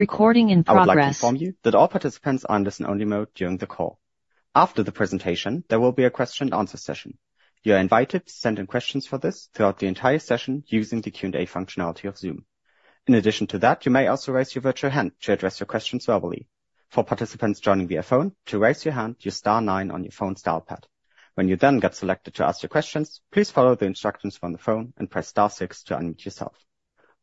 Recording in progress. I'd like to inform you that all participants are in listen-only mode during the call. After the presentation, there will be a question-and-answer session. You are invited to send in questions for this throughout the entire session using the Q&A functionality of Zoom. In addition to that, you may also raise your virtual hand to address your questions verbally. For participants joining via phone, to raise your hand, use star nine on your phone's dial pad. When you then get selected to ask your questions, please follow the instructions from the phone and press star six to unmute yourself.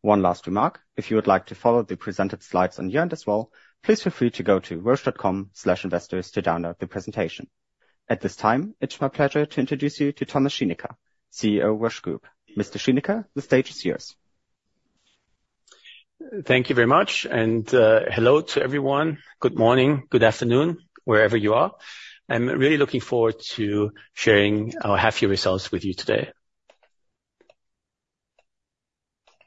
One last remark: if you would like to follow the presented slides on your end as well, please feel free to go to roche.com/investors to download the presentation. At this time, it's my pleasure to introduce you to Thomas Schinecker, CEO of Roche Group. Mr. Schinecker, the stage is yours. Thank you very much, and hello to everyone. Good morning, good afternoon, wherever you are. I'm really looking forward to sharing our half-year results with you today.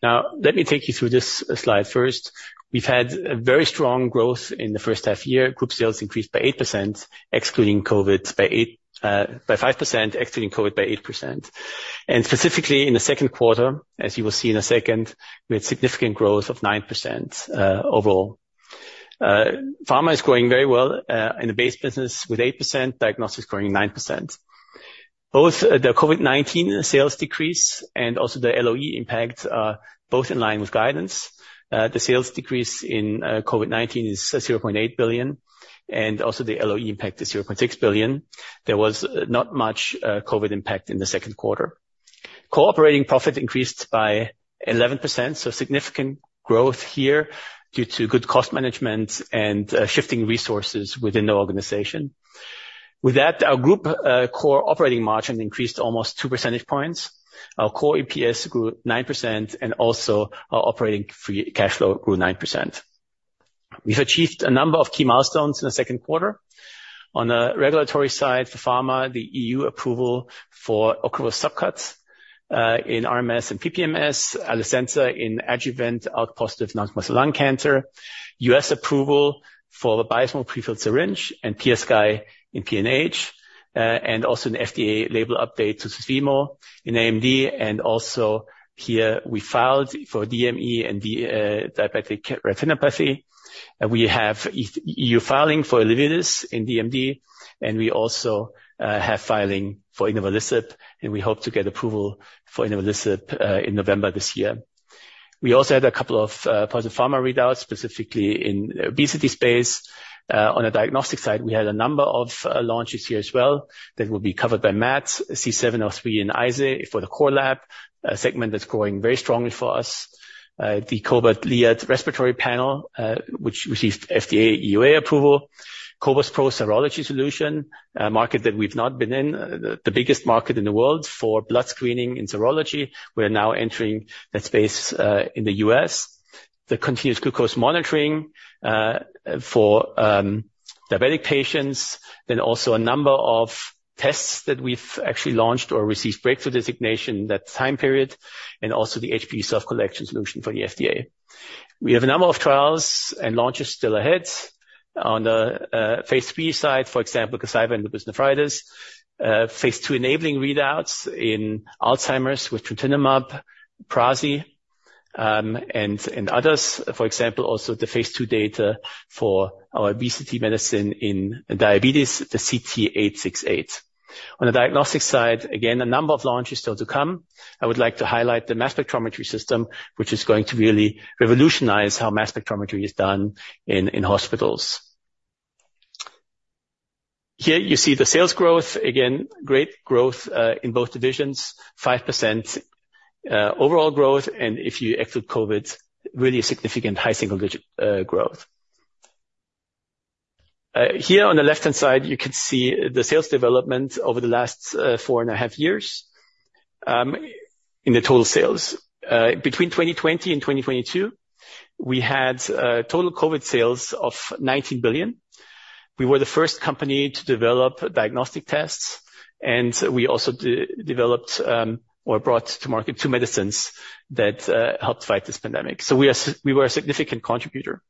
Now, let me take you through this slide first. We've had very strong growth in the first half year. Group sales increased by 8%, excluding COVID, by 5%, excluding COVID by 8%. Specifically, in the Q2, as you will see in a second, we had significant growth of 9% overall. Pharma is growing very well in the base business with 8%, diagnostics growing 9%. Both the COVID-19 sales decrease and also the LOE impact are both in line with guidance. The sales decrease in COVID-19 is 0.8 billion, and also the LOE impact is 0.6 billion. There was not much COVID impact in the Q2. operating profit increased by 11%, so significant growth here due to good cost management and shifting resources within the organization. With that, our group core operating margin increased almost two percentage points. Our core EPS grew 9%, and also our operating cash flow grew 9%. We've achieved a number of key milestones in the Q2. On the regulatory side for pharma, the EU approval for Ocrevus subcuts in RMS and PPMS, Alecensa in adjuvant outpatient non-small cell lung cancer, US approval for the Hemlibra pre-filled syringe, and PiaSky in PNH, and also an FDA label update to Vabysmo in AMD. Also here, we filed for DME and diabetic retinopathy. We have EU filing for Elevidys in DMD, and we also have filing for Inavolisib, and we hope to get approval for Inavolisib in November this year. We also had a couple of positive pharma readouts, specifically in the obesity space. On the diagnostic side, we had a number of launches here as well that will be covered by Matt, c 703 in ISE for the core lab, a segment that's growing very strongly for us. The cobas liat Respiratory Panel, which received FDA EUA approval, cobas pro serology solution, a market that we've not been in, the biggest market in the world for blood screening in serology. We're now entering that space in the US. The continuous glucose monitoring for diabetic patients, then also a number of tests that we've actually launched or received breakthrough designation in that time period, and also the HPV self-collection solution for the FDA. We have a number of trials and launches still ahead. On the phase lll side, for example, Gazyva and lupus nephritis, phase ll enabling readouts in Alzheimer's with Trontinemab, prasi and others. For example, also the phase ll data for our obesity medicine in diabetes, the CT-868. On the diagnostic side, again, a number of launches still to come. I would like to highlight the mass spectrometry system, which is going to really revolutionize how mass spectrometry is done in hospitals. Here you see the sales growth, again, great growth in both divisions, 5% overall growth, and if you exclude COVID, really a significant high single-digit growth. Here on the left-hand side, you can see the sales development over the last 4 and a half years in the total sales. Between 2020 and 2022, we had total COVID sales of 19 billion. We were the first company to develop diagnostic tests, and we also developed or brought to market two medicines that helped fight this pandemic. So we were a significant contributor.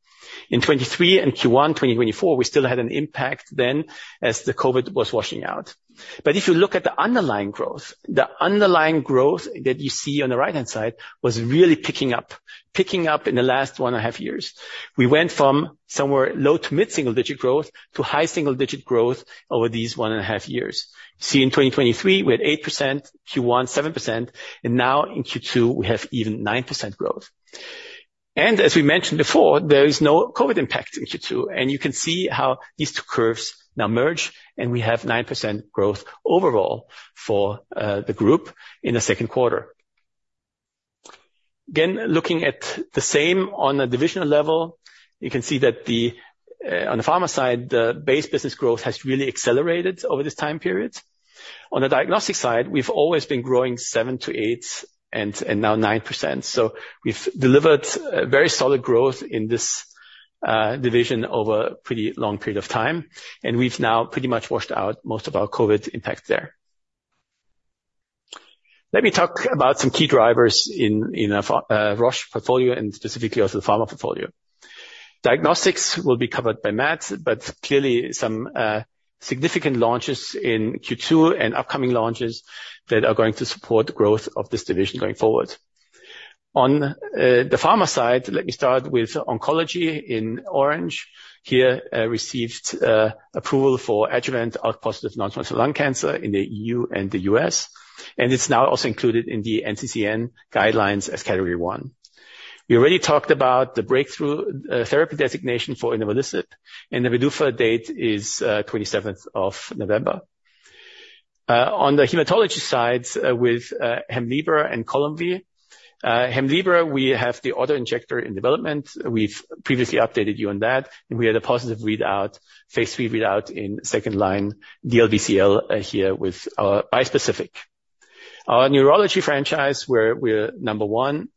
In 2023 and Q1 2024, we still had an impact then as the COVID was washing out. But if you look at the underlying growth, the underlying growth that you see on the right-hand side was really picking up, picking up in the last one and a half years. We went from somewhere low to mid-single-digit growth to high single-digit growth over these one and a half years. See, in 2023, we had 8%, Q1 7%, and now in Q2, we have even 9% growth. And as we mentioned before, there is no COVID impact in Q2, and you can see how these two curves now merge, and we have 9% growth overall for the group in the Q2. Again, looking at the same on a divisional level, you can see that on the pharma side, the base business growth has really accelerated over this time period. On the diagnostics side, we've always been growing 7%-8% and now 9%. So we've delivered very solid growth in this division over a pretty long period of time, and we've now pretty much washed out most of our COVID impact there. Let me talk about some key drivers in Roche's portfolio and specifically also the pharma portfolio. Diagnostics will be covered by Matt, but clearly some significant launches in Q2 and upcoming launches that are going to support the growth of this division going forward. On the pharma side, let me start with oncology in orange. Alecensa received approval for adjuvant outpatient non-small cell lung cancer in the EU and the US, and it's now also included in the NCCN guidelines as category 1. We already talked about the breakthrough therapy designation for Inavolisib, and the PDUFA date is 27th of November. On the hematology side with Hemlibra and Columvi, Hemlibra, we have the auto injector in development. We've previously updated you on that, and we had a positive readout, phase lll readout in second line DLBCL here with our bispecific. Our neurology franchise, where we're number 1,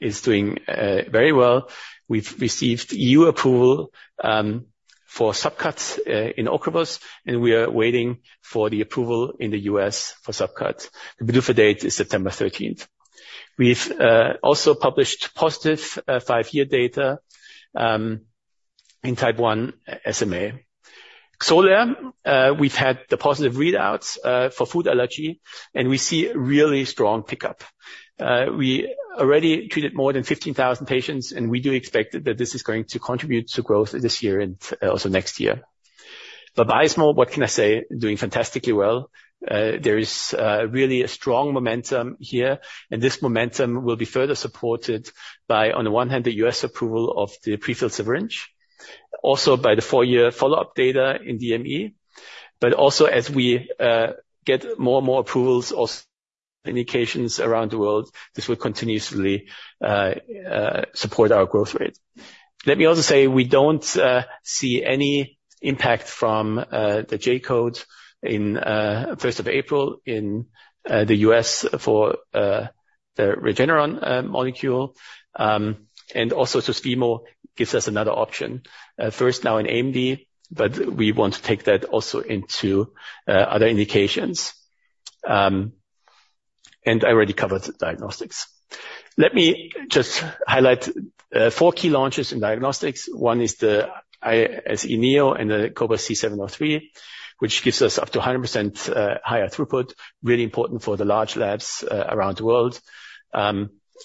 is doing very well. We've received EU approval for subcuts in Ocrevus, and we are waiting for the approval in the US for subcuts. The PDUFA date is September 13th. We've also published positive 5-year data in type 1 SMA. Xolair, we've had the positive readouts for food allergy, and we see a really strong pickup. We already treated more than 15,000 patients, and we do expect that this is going to contribute to growth this year and also next year. But Vabysmo, what can I say, doing fantastically well. There is really a strong momentum here, and this momentum will be further supported by, on the one hand, the US approval of the pre-filled syringe, also by the four-year follow-up data in DME, but also as we get more and more approvals or indications around the world, this will continuously support our growth rate. Let me also say we don't see any impact from the J code in first of April in the US for the Regeneron molecule, and also Susvimo gives us another option, first now in AMD, but we want to take that also into other indications. I already covered the diagnostics. Let me just highlight four key launches in diagnostics. One is the ISE neo and the cobas c 703, which gives us up to 100% higher throughput, really important for the large labs around the world.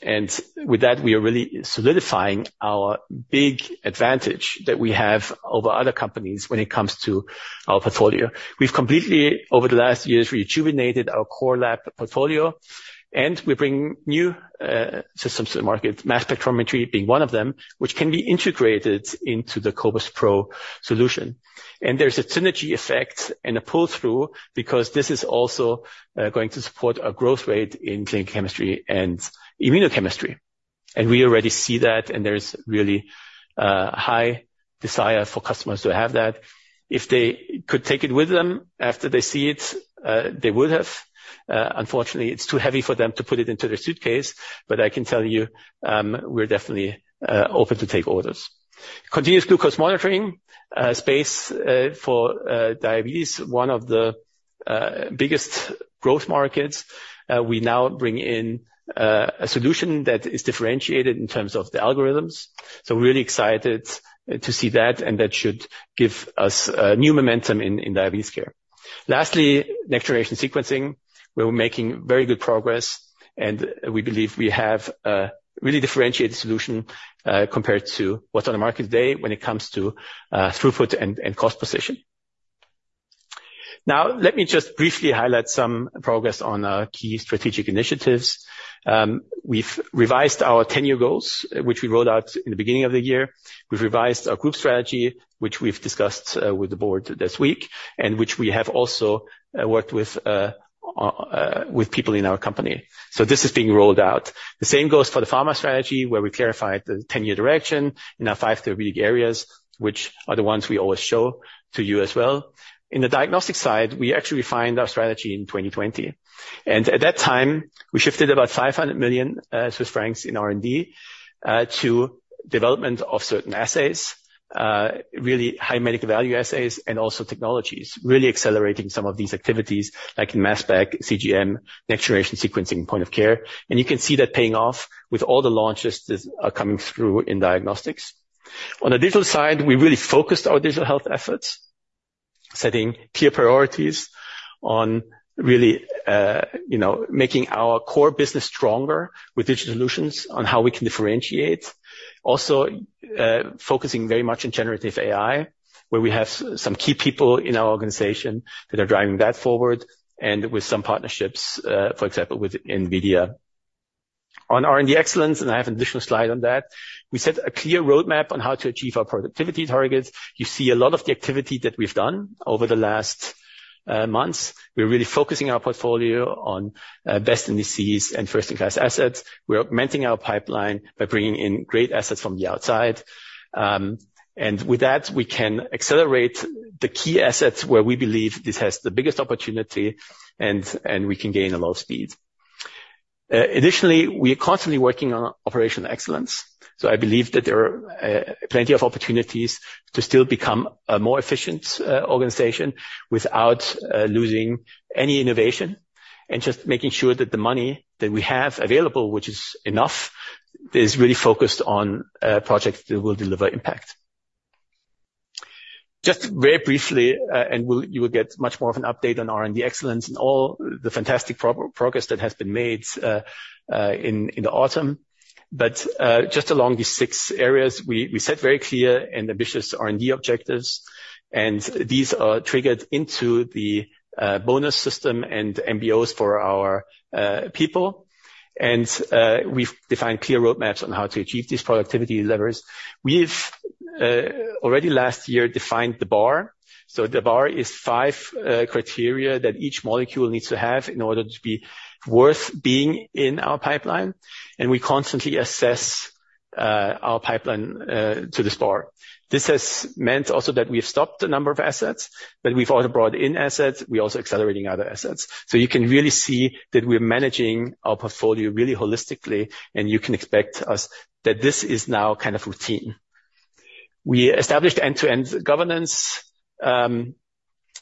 And with that, we are really solidifying our big advantage that we have over other companies when it comes to our portfolio. We've completely, over the last years, rejuvenated our core lab portfolio, and we're bringing new systems to the market, mass spectrometry being one of them, which can be integrated into the cobas pro solution. And there's a synergy effect and a pull-through because this is also going to support our growth rate in clinical chemistry and immunochemistry. And we already see that, and there's really a high desire for customers to have that. If they could take it with them after they see it, they would have. Unfortunately, it's too heavy for them to put it into their suitcase, but I can tell you we're definitely open to take orders. Continuous glucose monitoring space for diabetes, one of the biggest growth markets. We now bring in a solution that is differentiated in terms of the algorithms. So we're really excited to see that, and that should give us new momentum in diabetes care. Lastly, next-generation sequencing, we're making very good progress, and we believe we have a really differentiated solution compared to what's on the market today when it comes to throughput and cost position. Now, let me just briefly highlight some progress on key strategic initiatives. We've revised our ten-year goals, which we rolled out in the beginning of the year. We've revised our group strategy, which we've discussed with the board this week and which we have also worked with people in our company. So this is being rolled out. The same goes for the pharma strategy, where we clarified the future direction in our five therapeutic areas, which are the ones we always show to you as well. In the diagnostic side, we actually refined our strategy in 2020. And at that time, we shifted about 500 million Swiss francs in R&D to development of certain assays, really high medical value assays and also technologies, really accelerating some of these activities like Mass Spec, CGM, next-generation sequencing point of care. And you can see that paying off with all the launches that are coming through in diagnostics. On the digital side, we really focused our digital health efforts, setting clear priorities on really making our core business stronger with digital solutions on how we can differentiate. Also focusing very much on generative AI, where we have some key people in our organization that are driving that forward and with some partnerships, for example, with NVIDIA. On R&D excellence, and I have an additional slide on that, we set a clear roadmap on how to achieve our productivity targets. You see a lot of the activity that we've done over the last months. We're really focusing our portfolio on best-in-class and first-in-class assets. We're augmenting our pipeline by bringing in great assets from the outside. And with that, we can accelerate the key assets where we believe this has the biggest opportunity and we can gain a lot of speed. Additionally, we are constantly working on operational excellence. So I believe that there are plenty of opportunities to still become a more efficient organization without losing any innovation and just making sure that the money that we have available, which is enough, is really focused on projects that will deliver impact. Just very briefly, and you will get much more of an update on R&D excellence and all the fantastic progress that has been made in the autumn. But just along these six areas, we set very clear and ambitious R&D objectives, and these are triggered into the bonus system and MBOs for our people. And we've defined clear roadmaps on how to achieve these productivity levers. We've already last year defined the bar. So the bar is five criteria that each molecule needs to have in order to be worth being in our pipeline. And we constantly assess our pipeline to this bar. This has meant also that we've stopped a number of assets, but we've also brought in assets. We're also accelerating other assets. So you can really see that we're managing our portfolio really holistically, and you can expect us that this is now kind of routine. We established end-to-end governance,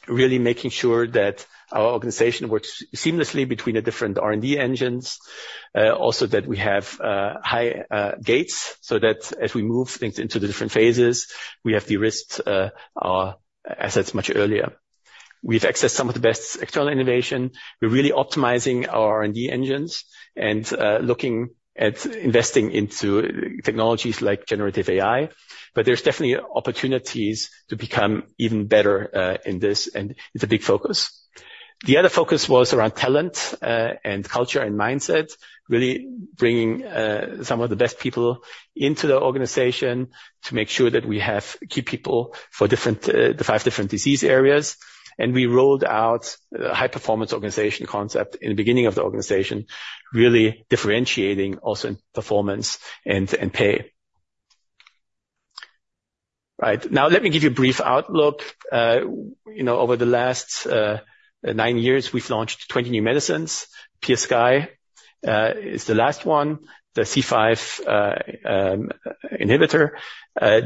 really making sure that our organization works seamlessly between the different R&D engines, also that we have high gates so that as we move things into the different phases, we have de-risked our assets much earlier. We've accessed some of the best external innovation. We're really optimizing our R&D engines and looking at investing into technologies like generative AI, but there's definitely opportunities to become even better in this, and it's a big focus. The other focus was around talent and culture and mindset, really bringing some of the best people into the organization to make sure that we have key people for the five different disease areas. We rolled out a high-performance organization concept in the beginning of the organization, really differentiating also in performance and pay. Right. Now, let me give you a brief outlook. Over the last nine years, we've launched 20 new medicines. PiaSky is the last one, the C5 inhibitor.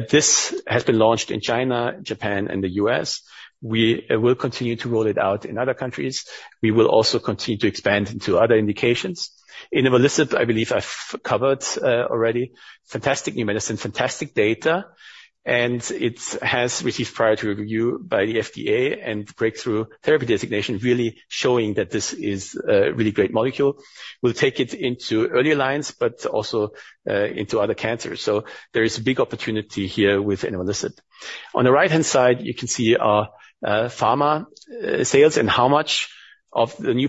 This has been launched in China, Japan, and the U.S. We will continue to roll it out in other countries. We will also continue to expand into other indications. Inavolisib, I believe I've covered already. Fantastic new medicine, fantastic data, and it has received priority review by the FDA and breakthrough therapy designation, really showing that this is a really great molecule. We'll take it into early lines, but also into other cancers. So there is a big opportunity here with Inavolisib. On the right-hand side, you can see our pharma sales and how much of the new,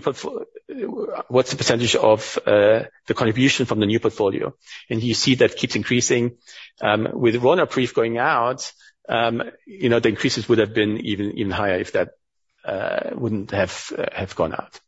what's the percentage of the contribution from the new portfolio. And you see that keeps increasing. With Ronapreve going out, the increases would have been even higher if that wouldn't have gone out.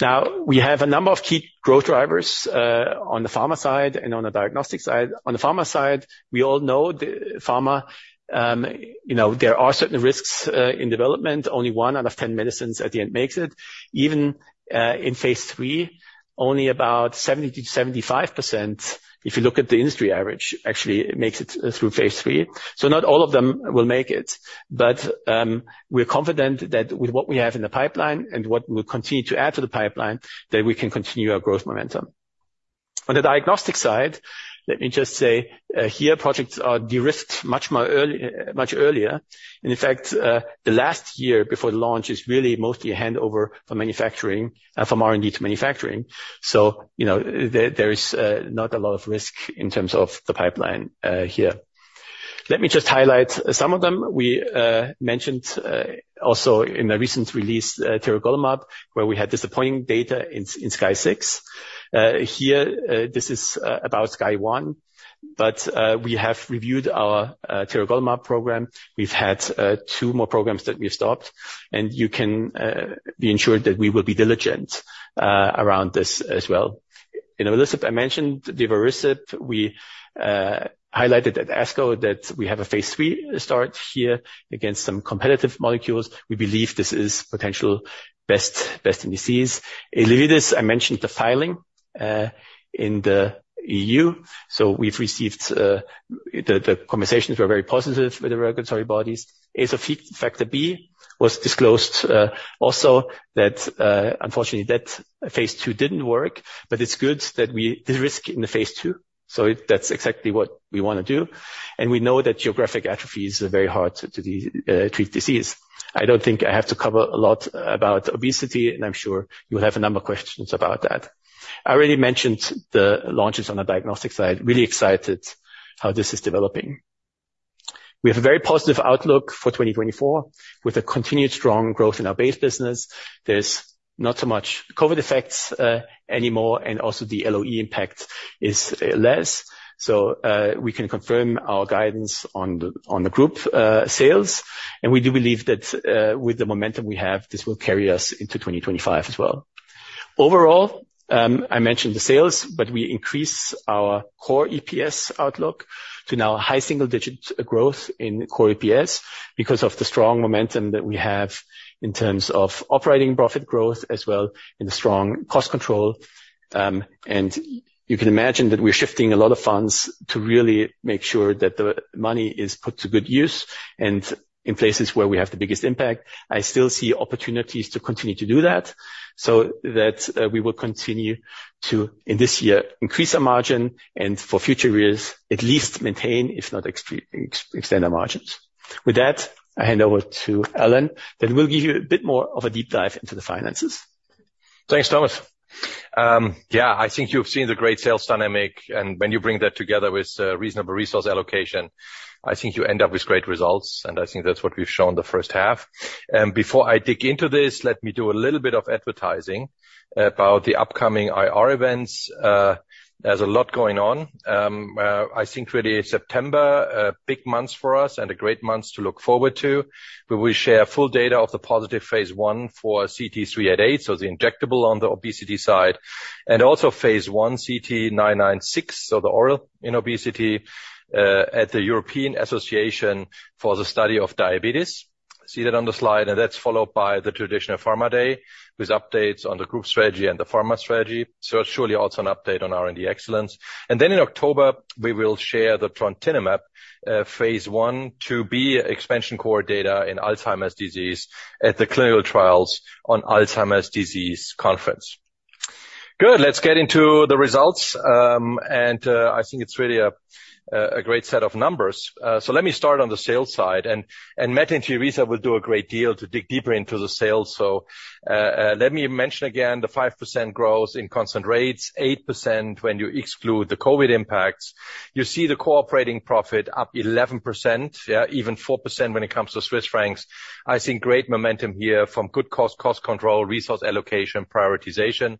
Now, we have a number of key growth drivers on the pharma side and on the diagnostic side. On the pharma side, we all know the pharma, there are certain risks in development. Only one out of 10 medicines at the end makes it. Even in phase III, only about 70%-75%, if you look at the industry average, actually makes it through phase III. So not all of them will make it, but we're confident that with what we have in the pipeline and what we will continue to add to the pipeline, that we can continue our growth momentum. On the diagnostic side, let me just say here projects are de-risked much earlier. In fact, the last year before the launch is really mostly a handover from R&D to manufacturing. So there is not a lot of risk in terms of the pipeline here. Let me just highlight some of them. We mentioned also in a recent release, Tiragolumab, where we had disappointing data in SKY-06. Here, this is about SKY-01, but we have reviewed our Tiragolumab program. We've had two more programs that we've stopped, and you can be ensured that we will be diligent around this as well. Inavolisib, I mentioned Divarasib. We highlighted at ASCO that we have a phase lll start here against some competitive molecules. We believe this is potential best-in-disease in Elevidys. I mentioned the filing in the E.U. So we've received the conversations were very positive with the regulatory bodies. ASO Factor B was disclosed also that unfortunately that phase ll didn't work, but it's good that we de-risk in the phase ll. So that's exactly what we want to do. And we know that geographic atrophy is very hard to treat disease. I don't think I have to cover a lot about obesity, and I'm sure you'll have a number of questions about that. I already mentioned the launches on the diagnostic side. Really excited how this is developing. We have a very positive outlook for 2024 with a continued strong growth in our base business. There's not so much COVID effects anymore, and also the LOE impact is less. So we can confirm our guidance on the group sales. And we do believe that with the momentum we have, this will carry us into 2025 as well. Overall, I mentioned the sales, but we increased our core EPS outlook to now high single-digit growth in core EPS because of the strong momentum that we have in terms of operating profit growth as well and the strong cost control. And you can imagine that we're shifting a lot of funds to really make sure that the money is put to good use and in places where we have the biggest impact. I still see opportunities to continue to do that so that we will continue to, in this year, increase our margin and for future years, at least maintain, if not extend our margins. With that, I hand over to Alan that will give you a bit more of a deep dive into the finances. Thanks, Thomas. Yeah, I think you've seen the great sales dynamic, and when you bring that together with reasonable resource allocation, I think you end up with great results, and I think that's what we've shown the first half. Before I dig into this, let me do a little bit of advertising about the upcoming IR events. There's a lot going on. I think really September, big months for us and a great month to look forward to. We will share full data of the positive phase l for CT-388, so the injectable on the obesity side, and also phase l CT-996, so the oral in obesity at the European Association for the Study of Diabetes. See that on the slide, and that's followed by the traditional pharma day with updates on the group strategy and the pharma strategy. So surely also an update on R&D excellence. Then in October, we will share the Trontinemab phase lb expansion cohort data in Alzheimer's disease at the Clinical Trials on Alzheimer's Disease conference. Good. Let's get into the results, and I think it's really a great set of numbers. So let me start on the sales side, and Matt and Teresa will do a great deal to dig deeper into the sales. So let me mention again the 5% growth in constant currencies, 8% when you exclude the COVID impacts. You see the operating profit up 11%, up 4% when it comes to Swiss francs. I see great momentum here from good cost control, resource allocation, prioritization.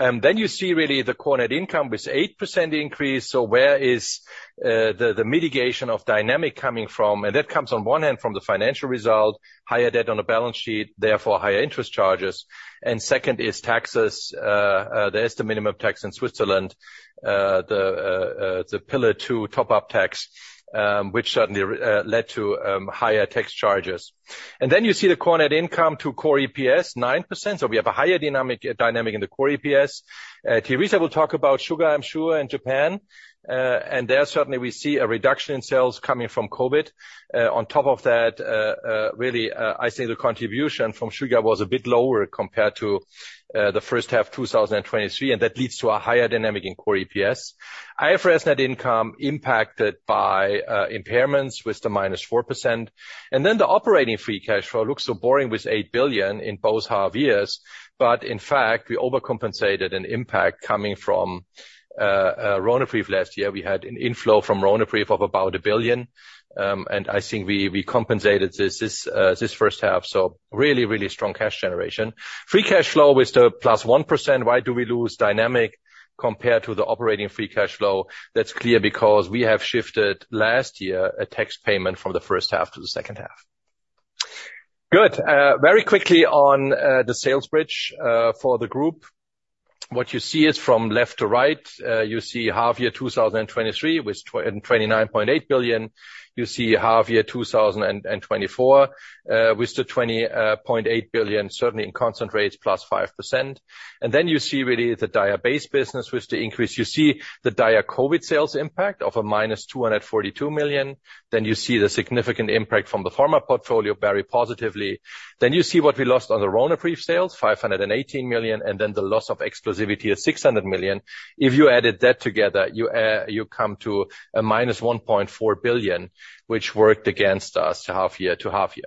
Then you see really the core net income with 8% increase. So where is the main driver of the dynamics coming from? That comes on one hand from the financial result, higher debt on the balance sheet, therefore higher interest charges. And second is taxes. There is the minimum tax in Switzerland, the Pillar Two top-up tax, which certainly led to higher tax charges. And then you see the core net income to core EPS, 9%. So we have a higher dynamic in the core EPS. Teresa will talk about PiaSky, I'm sure, in Japan. And there certainly we see a reduction in sales coming from COVID. On top of that, really, I think the contribution from PiaSky was a bit lower compared to the first half 2023, and that leads to a higher dynamic in core EPS. IFRS net income impacted by impairments with the -4%. Then the operating free cash flow looks so boring with 8 billion in both half years, but in fact, we overcompensated an impact coming from Ronapreve last year. We had an inflow from Ronapreve of about 1 billion, and I think we compensated this first half. So really, really strong cash generation. Free cash flow with the +1%, why do we lose dynamic compared to the operating free cash flow? That's clear because we have shifted last year a tax payment from the first half to the second half. Good. Very quickly on the sales bridge for the group. What you see is from left to right. You see half year 2023 with 29.8 billion. You see half year 2024 with the 20.8 billion, certainly in constant rates, +5%. And then you see really the diagnostics business with the increase. You see the COVID sales impact of -242 million. Then you see the significant impact from the pharma portfolio very positively. Then you see what we lost on the Ronapreve sales, 518 million, and then the loss of exclusivity of 600 million. If you added that together, you come to a -1.4 billion, which worked against us half year to half year.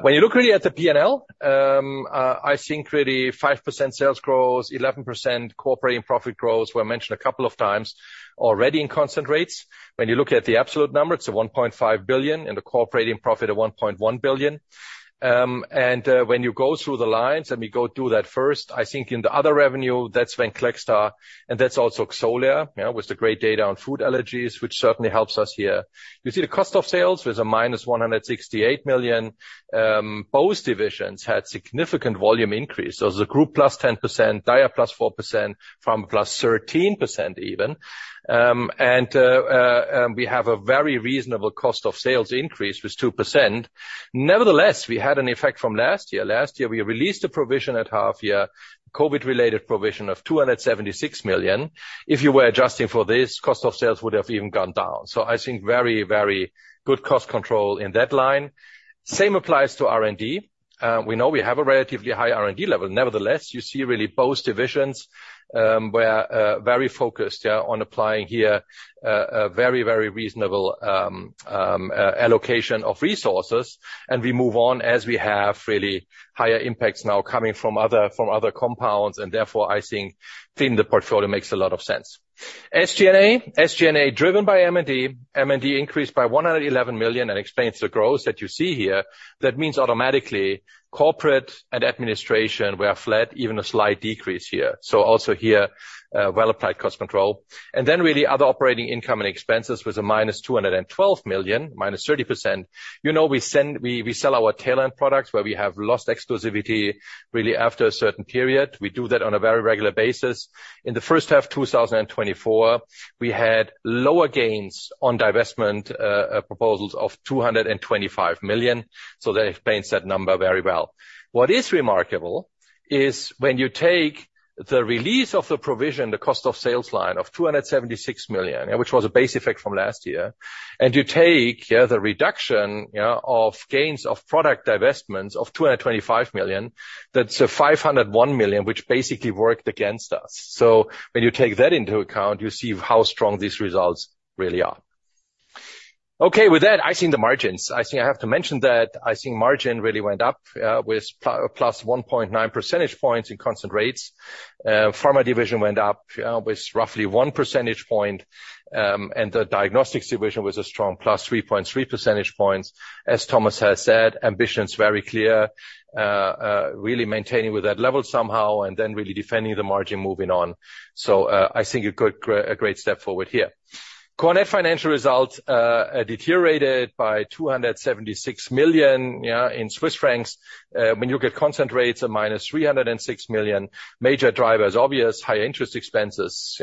When you look really at the P&L, I think really 5% sales growth, 11% core operating profit growth were mentioned a couple of times already in constant exchange rates. When you look at the absolute number, it's a 1.5 billion and the core operating profit of 1.1 billion. And when you go through the lines, let me go do that first. I think in the other revenue, that's Venclexta, and that's also Xolair with the great data on food allergies, which certainly helps us here. You see the cost of sales with -168 million. Both divisions had significant volume increase. So the group +10%, dia +4%, pharma +13% even. And we have a very reasonable cost of sales increase with 2%. Nevertheless, we had an effect from last year. Last year, we released a provision at half year, COVID-related provision of 276 million. If you were adjusting for this, cost of sales would have even gone down. So I think very, very good cost control in that line. Same applies to R&D. We know we have a relatively high R&D level. Nevertheless, you see really both divisions were very focused on applying here a very, very reasonable allocation of resources. And we move on as we have really higher impacts now coming from other compounds, and therefore I think in the portfolio makes a lot of sense. SG&A, SG&A driven by M&D. M&D increased by 111 million and explains the growth that you see here. That means automatically corporate and administration were flat, even a slight decrease here. So also here, well-applied cost control. And then really other operating income and expenses with a minus 212 million, minus 30%. You know we sell our tail-end products where we have lost exclusivity really after a certain period. We do that on a very regular basis. In the first half 2024, we had lower gains on divestment proposals of 225 million. So that explains that number very well. What is remarkable is when you take the release of the provision, the cost of sales line of 276 million, which was a base effect from last year, and you take the reduction of gains of product divestments of 225 million, that's a 501 million, which basically worked against us. So when you take that into account, you see how strong these results really are. Okay, with that, I see the margins. I think I have to mention that I think margin really went up with +1.9 percentage points in constant rates. Pharma division went up with roughly 1 percentage point, and the diagnostics division was a strong +3.3 percentage points. As Thomas has said, ambitions very clear, really maintaining with that level somehow and then really defending the margin, moving on. So I think a great step forward here. Current financial result deteriorated by 276 million in Swiss francs. When you look at constant rates, a minus 306 million. Major drivers, obvious, higher interest expenses.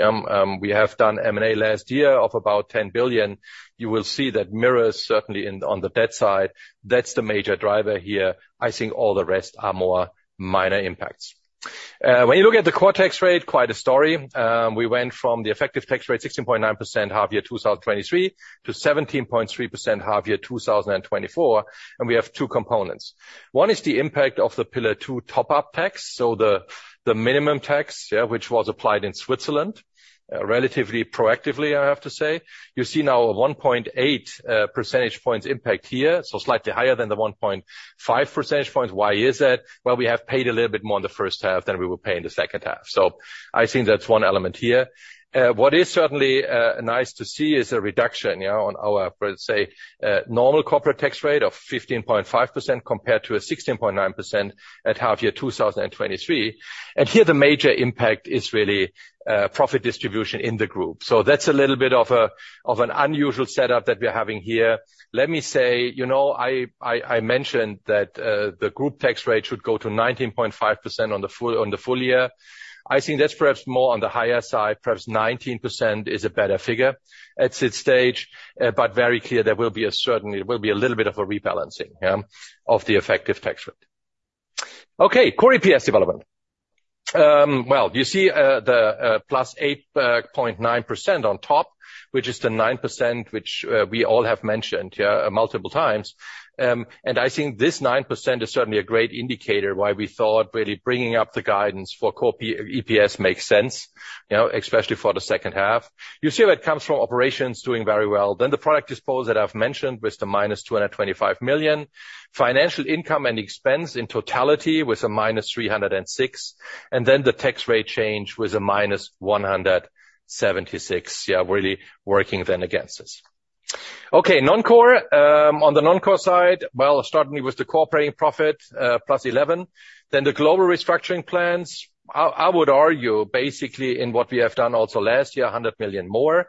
We have done M&A last year of about 10 billion. You will see that mirrors certainly on the debt side. That's the major driver here. I think all the rest are more minor impacts. When you look at the core tax rate, quite a story. We went from the effective tax rate 16.9% half year 2023 to 17.3% half year 2024. And we have two components. One is the impact of the Pillar Two top-up tax, so the minimum tax, which was applied in Switzerland relatively proactively, I have to say. You see now a 1.8 percentage points impact here, so slightly higher than the 1.5 percentage points. Why is that? Well, we have paid a little bit more in the first half than we will pay in the second half. So I think that's one element here. What is certainly nice to see is a reduction on our, let's say, normal corporate tax rate of 15.5% compared to a 16.9% at half year 2023. Here the major impact is really profit distribution in the group. That's a little bit of an unusual setup that we're having here. Let me say, you know I mentioned that the group tax rate should go to 19.5% on the full year. I think that's perhaps more on the higher side, perhaps 19% is a better figure at this stage, but very clear there will be a certain, it will be a little bit of a rebalancing of the effective tax rate. Okay, core EPS development. Well, you see the +8.9% on top, which is the 9% which we all have mentioned multiple times. I think this 9% is certainly a great indicator why we thought really bringing up the guidance for core EPS makes sense, especially for the second half. You see that comes from operations doing very well. Then the product disposal that I've mentioned with the -225 million, financial income and expense in totality with a -306 million, and then the tax rate change with a -176 million, yeah, really working then against us. Okay, non-core, on the non-core side, well, starting with the operating profit, +11 million. Then the global restructuring plans, I would argue basically in what we have done also last year, 100 million more.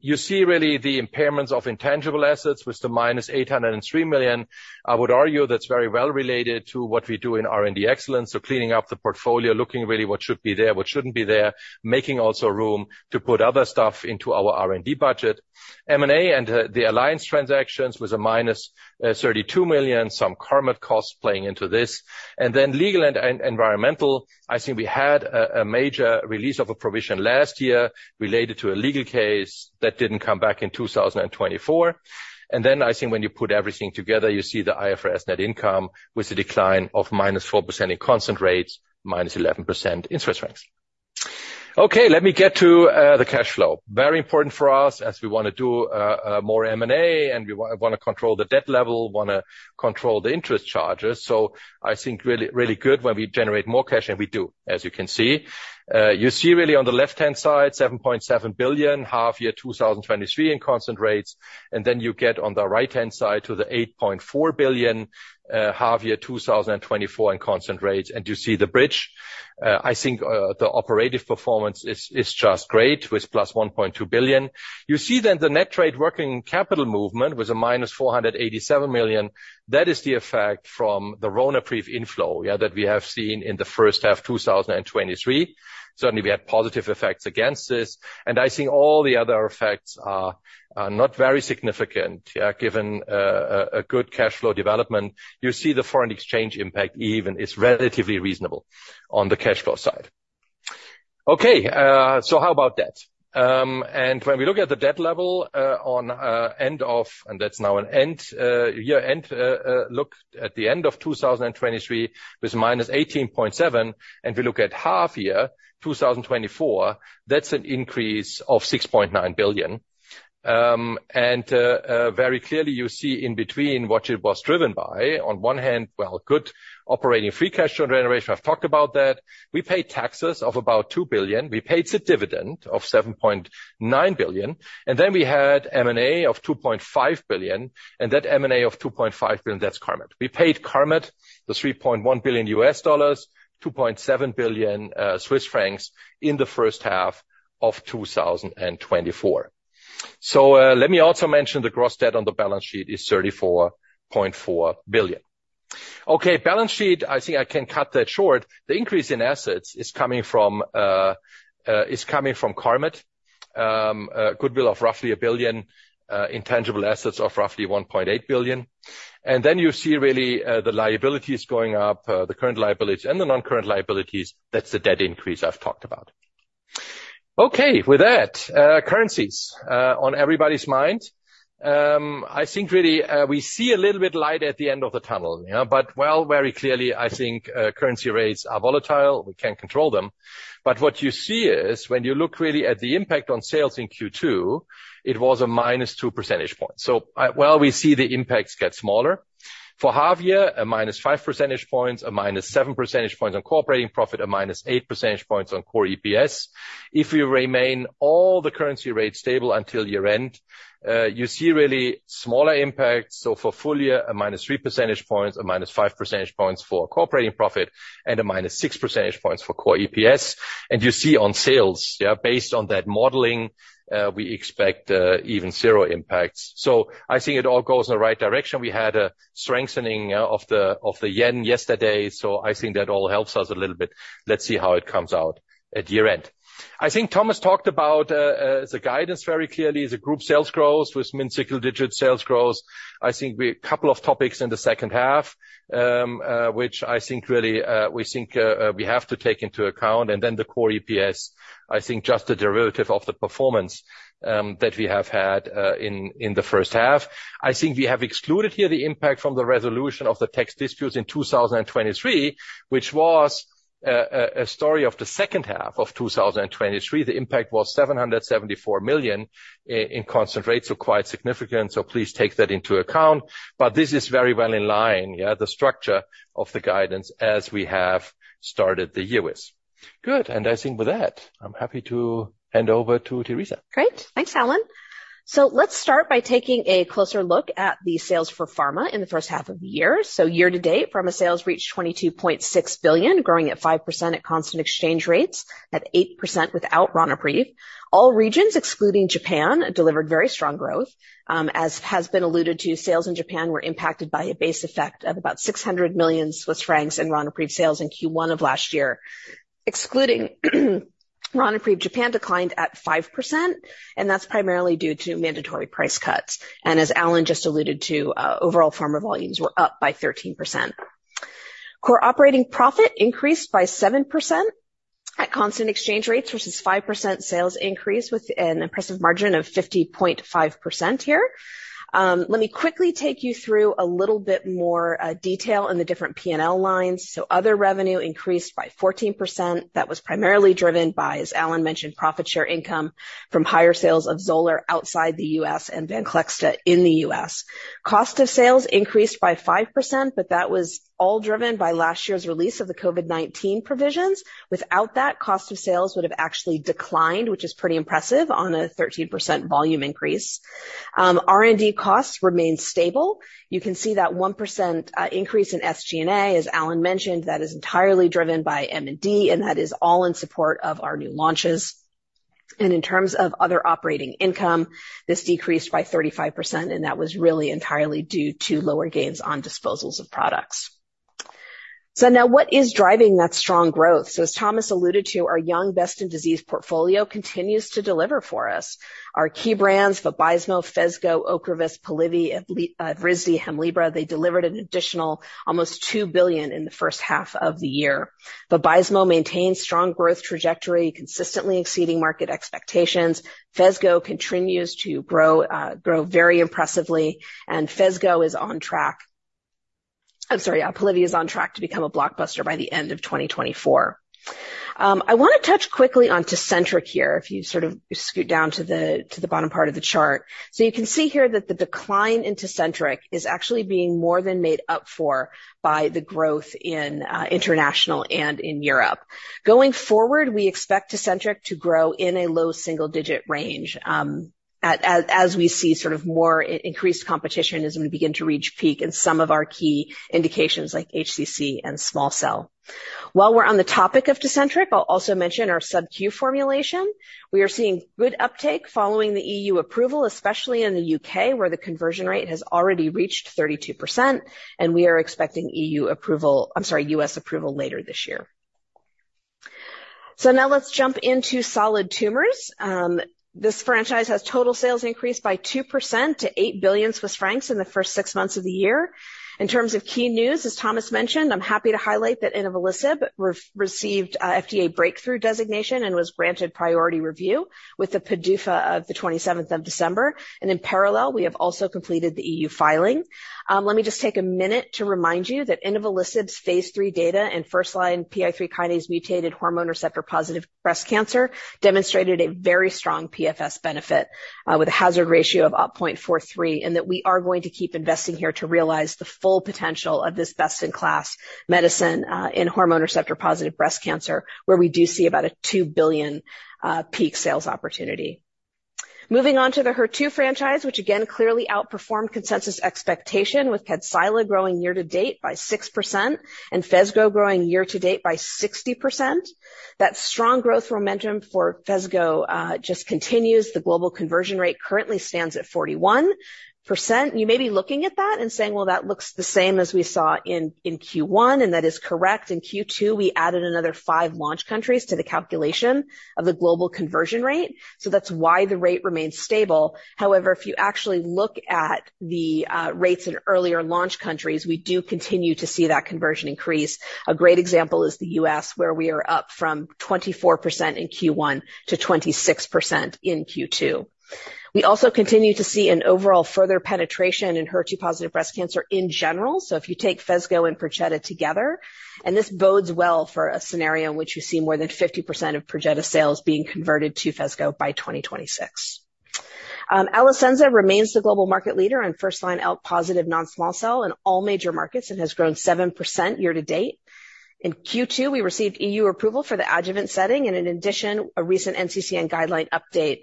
You see really the impairments of intangible assets with the -803 million. I would argue that's very well related to what we do in R&D excellence, so cleaning up the portfolio, looking really what should be there, what shouldn't be there, making also room to put other stuff into our R&D budget. M&A and the alliance transactions with a -32 million, some Carmot costs playing into this. Then legal and environmental, I think we had a major release of a provision last year related to a legal case that didn't come back in 2024. Then I think when you put everything together, you see the IFRS net income with a decline of -4% in constant rates, -11% in Swiss francs. Okay, let me get to the cash flow. Very important for us as we want to do more M&A and we want to control the debt level, want to control the interest charges. I think really good when we generate more cash and we do, as you can see. You see really on the left-hand side, 7.7 billion, half year 2023 in constant rates. Then you get on the right-hand side to the 8.4 billion, half year 2024 in constant rates. And you see the bridge. I think the operative performance is just great with +1.2 billion. You see then the net trade working capital movement with a -487 million. That is the effect from the Ronapreve inflow, yeah, that we have seen in the first half 2023. Certainly we had positive effects against this. And I think all the other effects are not very significant, yeah, given a good cash flow development. You see the foreign exchange impact even is relatively reasonable on the cash flow side. Okay, so how about that? And when we look at the debt level at end of, and that's now an end year, end look at the end of 2023 with -18.7 billion, and we look at half year 2024, that's an increase of 6.9 billion. And very clearly you see in between what it was driven by. On one hand, well, good operating free cash generation, I've talked about that. We paid taxes of about 2 billion. We paid the dividend of 7.9 billion. And then we had M&A of 2.5 billion. And that M&A of 2.5 billion, that's Carmot. We paid Carmot, the $3.1 billion, CHF 2.7 billion in the first half of 2024. So let me also mention the gross debt on the balance sheet is 34.4 billion. Okay, balance sheet, I think I can cut that short. The increase in assets is coming from Carmot, goodwill of roughly 1 billion, intangible assets of roughly 1.8 billion. And then you see really the liabilities going up, the current liabilities and the non-current liabilities, that's the debt increase I've talked about. Okay, with that, currencies on everybody's mind. I think really we see a little bit light at the end of the tunnel, but well, very clearly I think currency rates are volatile, we can't control them. But what you see is when you look really at the impact on sales in Q2, it was a -2 percentage point. So while we see the impacts get smaller for half year, a -5 percentage points, a -7 percentage points on operating profit, a -8 percentage points on core EPS. If we remain all the currency rates stable until year end, you see really smaller impacts. So for full year, a -3 percentage points, a -5 percentage points for operating profit, and a -6 percentage points for core EPS. And you see on sales, yeah, based on that modeling, we expect even 0 impacts. So I think it all goes in the right direction. We had a strengthening of the yen yesterday. So I think that all helps us a little bit. Let's see how it comes out at year end. I think Thomas talked about the guidance very clearly. The group sales growth with mid-single digit sales growth. I think we have a couple of topics in the second half, which I think really we think we have to take into account. And then the core EPS, I think just the derivative of the performance that we have had in the first half. I think we have excluded here the impact from the resolution of the tax disputes in 2023, which was a story of the second half of 2023. The impact was 774 million at constant rates, so quite significant. So please take that into account. But this is very well in line, yeah, the structure of the guidance as we have started the year with. Good. And I think with that, I'm happy to hand over to Teresa. Great. Thanks, Alan. So let's start by taking a closer look at the sales for pharma in the first half of the year. So year to date, pharma sales reached 22.6 billion, growing at 5% at constant exchange rates, at 8% without Ronapreve. All regions, excluding Japan, delivered very strong growth, as has been alluded to. Sales in Japan were impacted by a base effect of about 600 million Swiss francs in Ronapreve sales in Q1 of last year. Excluding Ronapreve, Japan declined at 5%, and that's primarily due to mandatory price cuts. And as Alan just alluded to, overall pharma volumes were up by 13%. Core operating profit increased by 7% at constant exchange rates versus 5% sales increase with an impressive margin of 50.5% here. Let me quickly take you through a little bit more detail in the different P&L lines. So other revenue increased by 14%. That was primarily driven by, as Alan mentioned, profit share income from higher sales of Xolair outside the US and Venclexta in the US. Cost of sales increased by 5%, but that was all driven by last year's release of the COVID-19 provisions. Without that, cost of sales would have actually declined, which is pretty impressive on a 13% volume increase. R&D costs remained stable. You can see that 1% increase in SG&A, as Alan mentioned, that is entirely driven by M&D, and that is all in support of our new launches. In terms of other operating income, this decreased by 35%, and that was really entirely due to lower gains on disposals of products. So now, what is driving that strong growth? So as Thomas alluded to, our young best-in-disease portfolio continues to deliver for us. Our key brands, Vabysmo, Phesgo, Ocrevus, Polivy, Evrysdi, Hemlibra, they delivered an additional almost 2 billion in the first half of the year. Vabysmo maintains strong growth trajectory, consistently exceeding market expectations. Phesgo continues to grow very impressively, and Phesgo is on track. I'm sorry, Polivy is on track to become a blockbuster by the end of 2024. I want to touch quickly on Tecentriq here, if you sort of scoot down to the bottom part of the chart. So you can see here that the decline in Tecentriq is actually being more than made up for by the growth in international and in Europe. Going forward, we expect Tecentriq to grow in a low single-digit range as we see sort of more increased competition is going to begin to reach peak in some of our key indications like HCC and small cell. While we're on the topic of Tecentriq, I'll also mention our sub-Q formulation. We are seeing good uptake following the E.U. approval, especially in the U.K., where the conversion rate has already reached 32%, and we are expecting E.U. approval, I'm sorry, U.S. approval later this year. So now let's jump into solid tumors. This franchise has total sales increased by 2% to 8 billion Swiss francs in the first six months of the year. In terms of key news, as Thomas mentioned, I'm happy to highlight that Inavolisib received FDA breakthrough designation and was granted priority review with the PDUFA of the 27th of December. In parallel, we have also completed the EU filing. Let me just take a minute to remind you that Inavolisib's phase lll data in first-line PI3K-mutated hormone receptor-positive breast cancer demonstrated a very strong PFS benefit with a hazard ratio of 0.43, and that we are going to keep investing here to realize the full potential of this best-in-class medicine in hormone receptor-positive breast cancer, where we do see about a 2 billion peak sales opportunity. Moving on to the HER2 franchise, which again clearly outperformed consensus expectation with Kadcyla growing year to date by 6% and Phesgo growing year to date by 60%. That strong growth momentum for Phesgo just continues. The global conversion rate currently stands at 41%. You may be looking at that and saying, "Well, that looks the same as we saw in Q1," and that is correct. In Q2, we added another 5 launch countries to the calculation of the global conversion rate. So that's why the rate remained stable. However, if you actually look at the rates in earlier launch countries, we do continue to see that conversion increase. A great example is the U.S., where we are up from 24% in Q1 to 26% in Q2. We also continue to see an overall further penetration in HER2-positive breast cancer in general. So if you take Phesgo and Perjeta together, and this bodes well for a scenario in which you see more than 50% of Perjeta sales being converted to Phesgo by 2026. Alecensa remains the global market leader in first-line ALK-positive non-small cell lung cancer in all major markets and has grown 7% year to date. In Q2, we received EU approval for the adjuvant setting, and in addition, a recent NCCN guideline update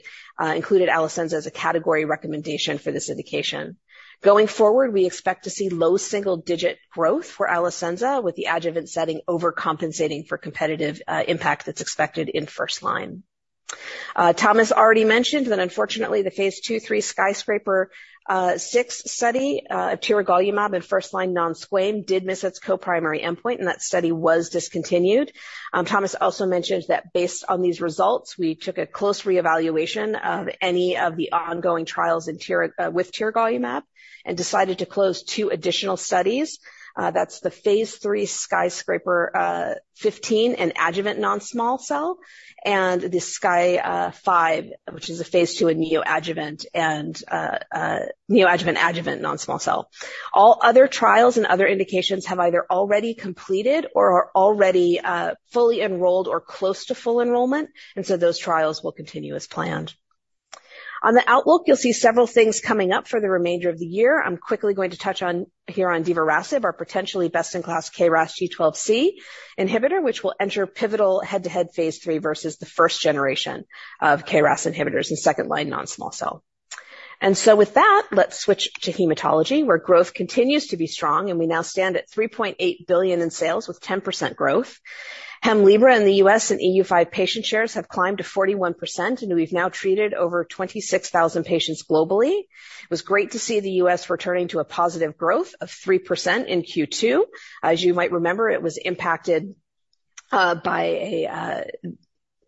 included Alecensa as a category recommendation for this indication. Going forward, we expect to see low single-digit growth for Alecensa with the adjuvant setting overcompensating for competitive impact that's expected in first line. Thomas already mentioned that unfortunately, the phase II III SKYSCRAPER-06 study of Tiragolumab in first-line non-squamous did miss its co-primary endpoint, and that study was discontinued. Thomas also mentioned that based on these results, we took a close reevaluation of any of the ongoing trials with Tiragolumab and decided to close two additional studies. That's the phase lll SKYSCRAPER-15 and adjuvant non-small cell, and the SKY-05, which is a phase ll and neoadjuvant non-small cell. All other trials and other indications have either already completed or are already fully enrolled or close to full enrollment, and so those trials will continue as planned. On the outlook, you'll see several things coming up for the remainder of the year. I'm quickly going to touch on here on Divarasib, our potentially best-in-class KRAS G12C inhibitor, which will enter pivotal head-to-head phase lll versus the first generation of KRAS inhibitors in second-line non-small cell. And so with that, let's switch to hematology, where growth continues to be strong, and we now stand at 3.8 billion in sales with 10% growth. Hemlibra in the US and EU-5 patient shares have climbed to 41%, and we've now treated over 26,000 patients globally. It was great to see the US returning to a positive growth of 3% in Q2. As you might remember, it was impacted by a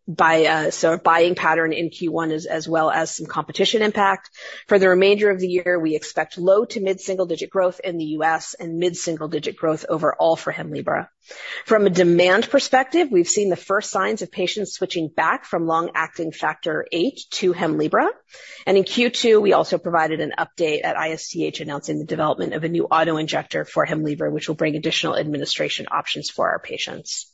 buying pattern in Q1 as well as some competition impact. For the remainder of the year, we expect low to mid-single digit growth in the US and mid-single digit growth overall for Hemlibra. From a demand perspective, we've seen the first signs of patients switching back from long-acting factor VIII to Hemlibra. And in Q2, we also provided an update at ISCH announcing the development of a new auto injector for Hemlibra, which will bring additional administration options for our patients.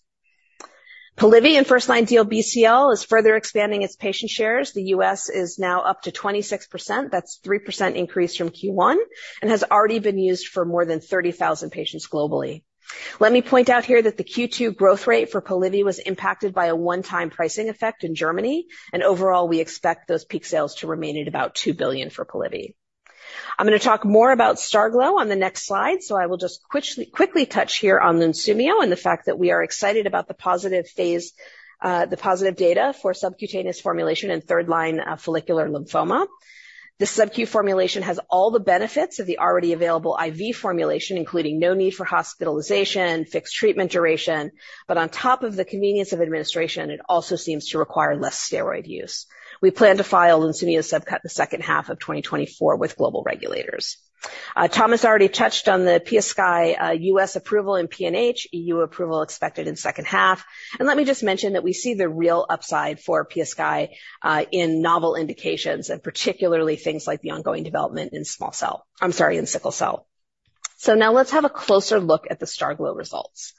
Polivy in first-line DLBCL is further expanding its patient shares. The US is now up to 26%. That's a 3% increase from Q1 and has already been used for more than 30,000 patients globally. Let me point out here that the Q2 growth rate for Polivy was impacted by a one-time pricing effect in Germany, and overall, we expect those peak sales to remain at about 2 billion for Polivy. I'm going to talk more about Starglo on the next slide, so I will just quickly touch here on Lunsumio and the fact that we are excited about the positive data for subcutaneous formulation and third-line follicular lymphoma. The sub-Q formulation has all the benefits of the already available IV formulation, including no need for hospitalization, fixed treatment duration, but on top of the convenience of administration, it also seems to require less steroid use. We plan to file Lunsumio subcut the second half of 2024 with global regulators. Thomas already touched on the PiaSky US approval and PNH, EU approval expected in second half. Let me just mention that we see the real upside for PSCI in novel indications, and particularly things like the ongoing development in small cell. I'm sorry, in sickle cell. Now let's have a closer look at the STARGLO results.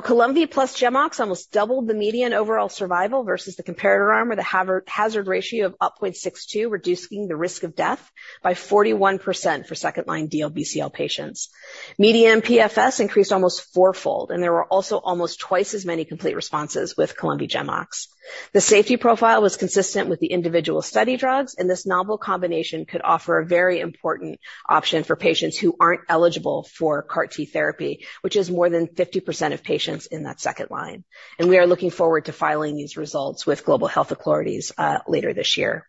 Columvi plus Gemox almost doubled the median overall survival versus the comparator arm with a hazard ratio of 0.62, reducing the risk of death by 41% for second-line DLBCL patients. Median PFS increased almost fourfold, and there were also almost twice as many complete responses with Columvi Gemox. The safety profile was consistent with the individual study drugs, and this novel combination could offer a very important option for patients who aren't eligible for CAR-T therapy, which is more than 50% of patients in that second-line. We are looking forward to filing these results with global health authorities later this year.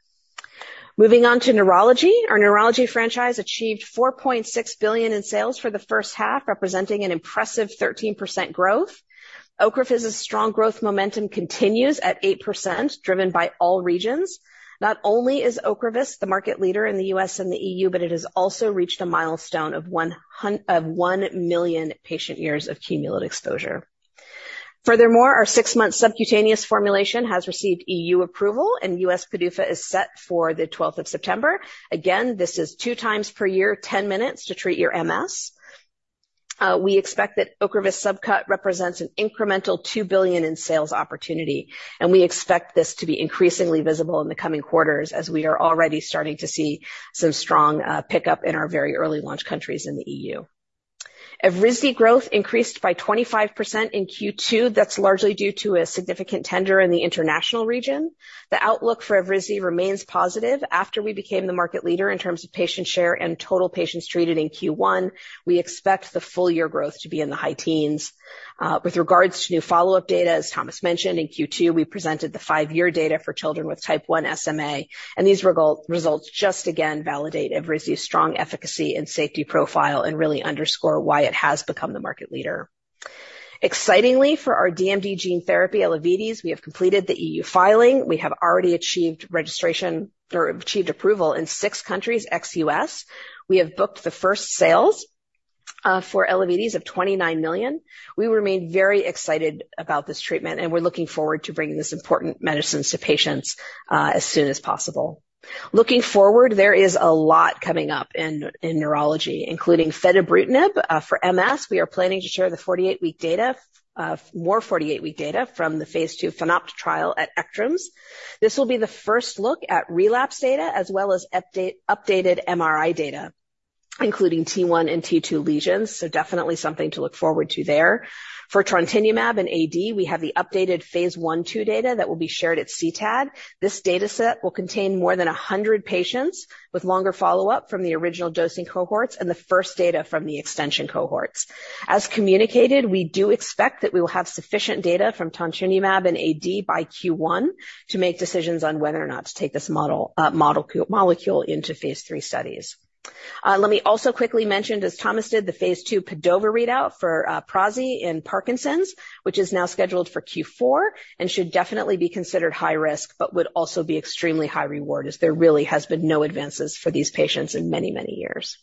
Moving on to neurology, our neurology franchise achieved 4.6 billion in sales for the first half, representing an impressive 13% growth. Ocrevus's strong growth momentum continues at 8%, driven by all regions. Not only is Ocrevus the market leader in the U.S. and the E.U., but it has also reached a milestone of 1 million patient years of cumulative exposure. Furthermore, our six-month subcutaneous formulation has received E.U. approval, and U.S. PDUFA is set for the 12th of September. Again, this is two times per year, 10 minutes to treat your MS. We expect that Ocrevus subcut represents an incremental 2 billion in sales opportunity, and we expect this to be increasingly visible in the coming quarters as we are already starting to see some strong pickup in our very early launch countries in the E.U. Evrysdi growth increased by 25% in Q2. That's largely due to a significant tender in the international region. The outlook for Evrysdi remains positive. After we became the market leader in terms of patient share and total patients treated in Q1, we expect the full year growth to be in the high teens. With regards to new follow-up data, as Thomas mentioned, in Q2, we presented the five-year data for children with type 1 SMA, and these results just again validate Evrysdi's strong efficacy and safety profile and really underscore why it has become the market leader. Excitingly, for our DMD gene therapy, Elevidys, we have completed the EU filing. We have already achieved registration or achieved approval in six countries ex US. We have booked the first sales for Elevidys of 29 million. We remain very excited about this treatment, and we're looking forward to bringing this important medicine to patients as soon as possible. Looking forward, there is a lot coming up in neurology, including fenebrutinib for MS. We are planning to share the 48-week data, more 48-week data from the phase II FENhance trial at ECTRIMS. This will be the first look at relapse data as well as updated MRI data, including T1 and T2 lesions. So definitely something to look forward to there. For Trontinemab and AD, we have the updated phase I/II data that will be shared at CTAD. This dataset will contain more than 100 patients with longer follow-up from the original dosing cohorts and the first data from the extension cohorts. As communicated, we do expect that we will have sufficient data from Trontinemab and AD by Q1 to make decisions on whether or not to take this molecule into phase III studies. Let me also quickly mention, as Thomas did, the Phase II PADOVA readout for prasinezumab in Parkinson's, which is now scheduled for Q4 and should definitely be considered high risk, but would also be extremely high reward as there really has been no advances for these patients in many, many years.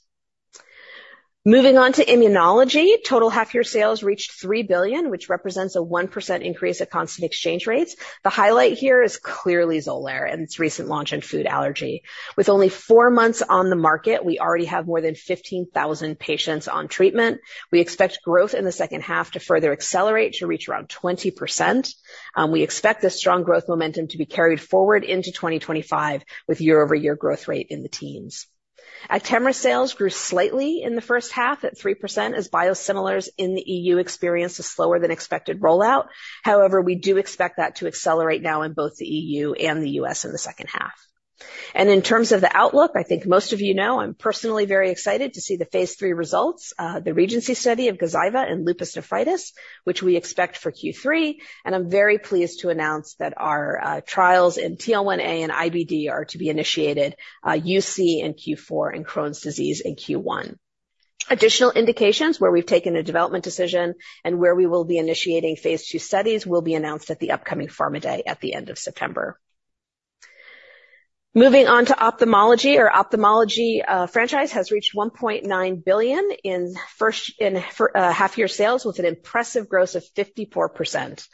Moving on to immunology, total half-year sales reached 3 billion, which represents a 1% increase in constant exchange rates. The highlight here is clearly Xolair and its recent launch in food allergy. With only four months on the market, we already have more than 15,000 patients on treatment. We expect growth in the second half to further accelerate to reach around 20%. We expect this strong growth momentum to be carried forward into 2025 with year-over-year growth rate in the teens. Actemra sales grew slightly in the first half at 3% as biosimilars in the EU experienced a slower than expected rollout. However, we do expect that to accelerate now in both the EU and the U.S. in the second half. In terms of the outlook, I think most of you know I'm personally very excited to see the phase three results, the regency study of Gazyva and lupus nephritis, which we expect for Q3. I'm very pleased to announce that our trials in TL1A and IBD are to be initiated UC in Q4 and Crohn's disease in Q1. Additional indications where we've taken a development decision and where we will be initiating phase two studies will be announced at the upcoming pharma day at the end of September. Moving on to ophthalmology, our ophthalmology franchise has reached 1.9 billion in half-year sales with an impressive growth of 54%.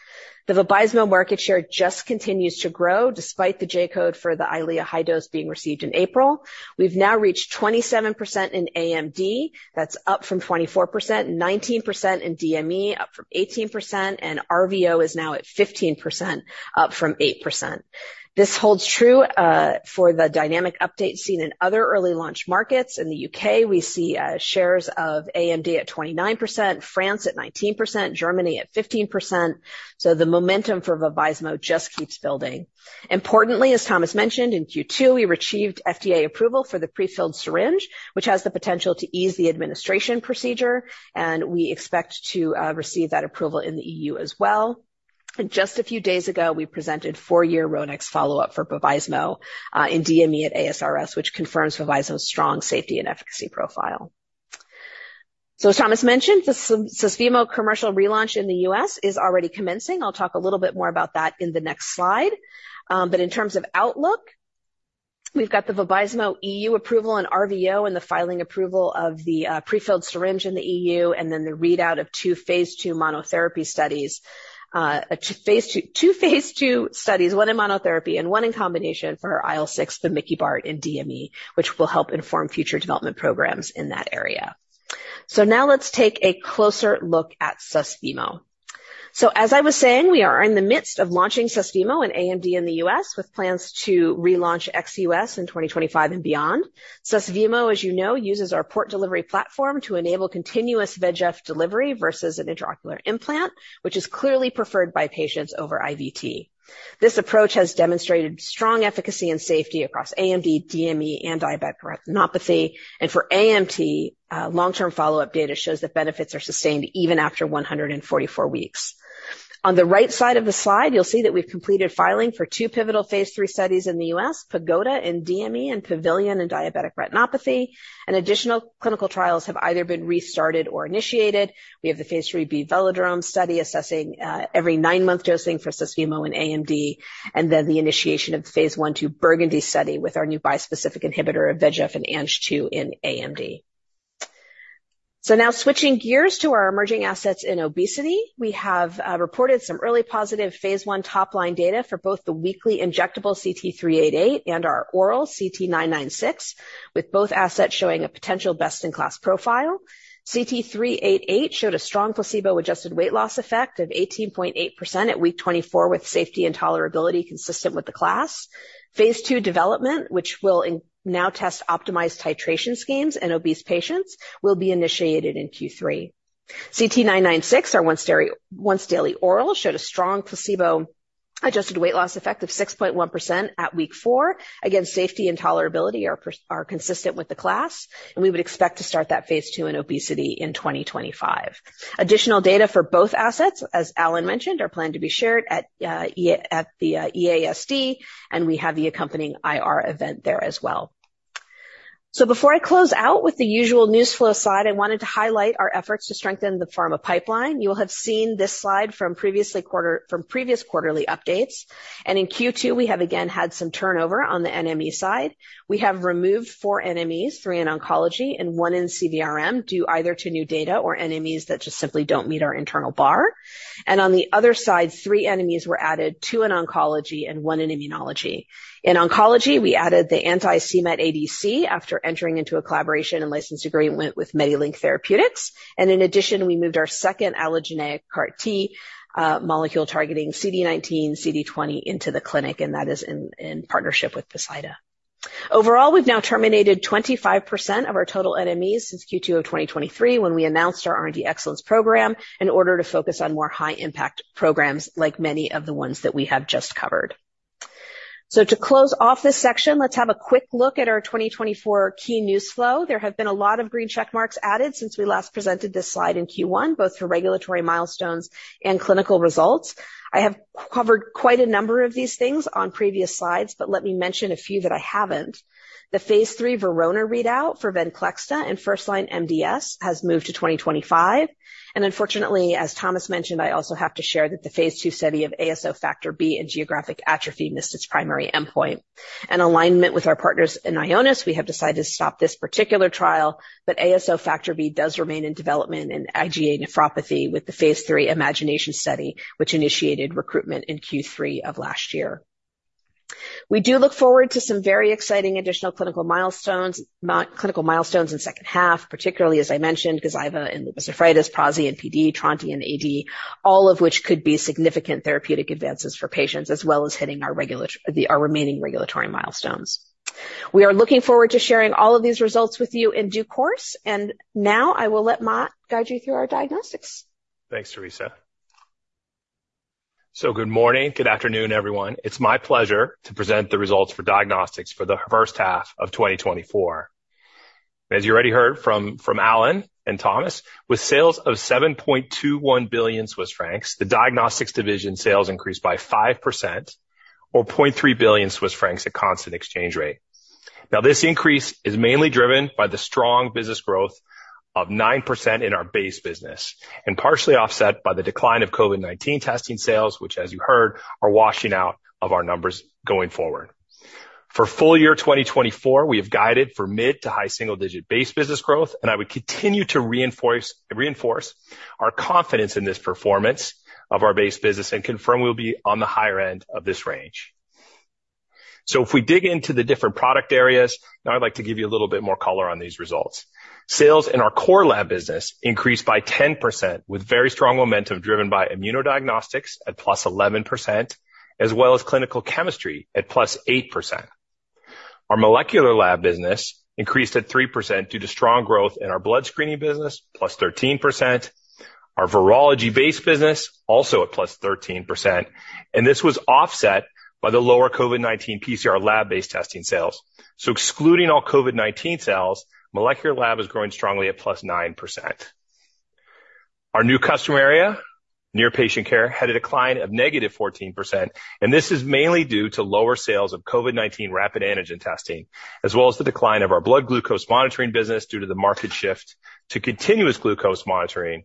The Vabysmo market share just continues to grow despite the J code for the Eylea high dose being received in April. We've now reached 27% in AMD. That's up from 24%, 19% in DME, up from 18%, and RVO is now at 15%, up from 8%. This holds true for the dynamic update seen in other early launch markets. In the UK, we see shares of AMD at 29%, France at 19%, Germany at 15%. So the momentum for Vabysmo just keeps building. Importantly, as Thomas mentioned, in Q2, we've achieved FDA approval for the prefilled syringe, which has the potential to ease the administration procedure, and we expect to receive that approval in the EU as well. And just a few days ago, we presented 4-year RHINE follow-up for Vabysmo in DME at ASRS, which confirms Vabysmo's strong safety and efficacy profile. So as Thomas mentioned, the Susvimo commercial relaunch in the U.S. is already commencing. I'll talk a little bit more about that in the next slide. But in terms of outlook, we've got the Vabysmo E.U. approval and RVO and the filing approval of the prefilled syringe in the E.U., and then the readout of two phase two monotherapy studies, two phase two studies, one in monotherapy and one in combination for IL-6, the Vamikibart in DME, which will help inform future development programs in that area. So now let's take a closer look at Susvimo. So as I was saying, we are in the midst of launching Susvimo and AMD in the U.S. with plans to relaunch Susvimo in 2025 and beyond. Susvimo, as you know, uses our port delivery platform to enable continuous VEGF delivery versus an intraocular implant, which is clearly preferred by patients over IVT. This approach has demonstrated strong efficacy and safety across AMD, DME, and diabetic retinopathy. For nAMD, long-term follow-up data shows that benefits are sustained even after 144 weeks. On the right side of the slide, you'll see that we've completed filing for 2 pivotal phase III studies in the US, Pagoda in DME and Pavilion in diabetic retinopathy. Additional clinical trials have either been restarted or initiated. We have the phase IIIb Velodrome study assessing every 9-month dosing for Susvimo in AMD, and then the initiation of the phase I/II Burgundy study with our new bispecific inhibitor of VEGF and Ang-2 in AMD. Now switching gears to our emerging assets in obesity, we have reported some early positive phase I top-line data for both the weekly injectable CT-388 and our oral CT-996, with both assets showing a potential best-in-class profile. CT388 showed a strong placebo-adjusted weight loss effect of 18.8% at week 24 with safety and tolerability consistent with the class. Phase two development, which will now test optimized titration schemes in obese patients, will be initiated in Q3. CT996, our once-daily oral, showed a strong placebo-adjusted weight loss effect of 6.1% at week 4. Again, safety and tolerability are consistent with the class, and we would expect to start that phase two in obesity in 2025. Additional data for both assets, as Alan mentioned, are planned to be shared at the EASD, and we have the accompanying IR event there as well. So before I close out with the usual news flow slide, I wanted to highlight our efforts to strengthen the pharma pipeline. You will have seen this slide from previous quarterly updates. In Q2, we have again had some turnover on the NME side. We have removed 4 NMEs, 3 in oncology and 1 in CVRM, due either to new data or NMEs that just simply don't meet our internal bar. On the other side, 3 NMEs were added to an oncology and 1 in immunology. In oncology, we added the anti-c-MET ADC after entering into a collaboration and licensed agreement with MediLink Therapeutics. In addition, we moved our second allogeneic CAR-T molecule targeting CD19, CD20 into the clinic, and that is in partnership with Poseida. Overall, we've now terminated 25% of our total NMEs since Q2 of 2023 when we announced our R&D excellence program in order to focus on more high-impact programs like many of the ones that we have just covered. To close off this section, let's have a quick look at our 2024 key news flow. There have been a lot of green checkmarks added since we last presented this slide in Q1, both for regulatory milestones and clinical results. I have covered quite a number of these things on previous slides, but let me mention a few that I haven't. The phase three Verona readout for Venclexta and first-line MDS has moved to 2025. Unfortunately, as Thomas mentioned, I also have to share that the phase two study of ASO Factor B and geographic atrophy missed its primary endpoint. In alignment with our partners in Ionis, we have decided to stop this particular trial, but ASO Factor B does remain in development in IgA nephropathy with the phase three IMAGINATION study, which initiated recruitment in Q3 of last year. We do look forward to some very exciting additional clinical milestones in second half, particularly, as I mentioned, Gazyva and lupus nephritis, Prasi and PD, Tronti and AD, all of which could be significant therapeutic advances for patients as well as hitting our remaining regulatory milestones. We are looking forward to sharing all of these results with you in due course. Now I will let Matt guide you through our diagnostics. Thanks, Teresa. Good morning, good afternoon, everyone. It's my pleasure to present the results for diagnostics for the first half of 2024. As you already heard from Alan and Thomas, with sales of 7.21 billion Swiss francs, the diagnostics division sales increased by 5% or 0.3 billion Swiss francs at constant exchange rate. Now, this increase is mainly driven by the strong business growth of 9% in our base business and partially offset by the decline of COVID-19 testing sales, which, as you heard, are washing out of our numbers going forward. For full year 2024, we have guided for mid to high single-digit base business growth, and I would continue to reinforce our confidence in this performance of our base business and confirm we'll be on the higher end of this range. So if we dig into the different product areas, now I'd like to give you a little bit more color on these results. Sales in our core lab business increased by 10% with very strong momentum driven by immunodiagnostics at +11%, as well as clinical chemistry at +8%. Our molecular lab business increased at 3% due to strong growth in our blood screening business, +13%. Our virology-based business also at +13%. This was offset by the lower COVID-19 PCR lab-based testing sales. Excluding all COVID-19 sales, molecular lab is growing strongly at +9%. Our new customer area, near patient care, had a decline of -14%, and this is mainly due to lower sales of COVID-19 rapid antigen testing, as well as the decline of our blood glucose monitoring business due to the market shift to continuous glucose monitoring.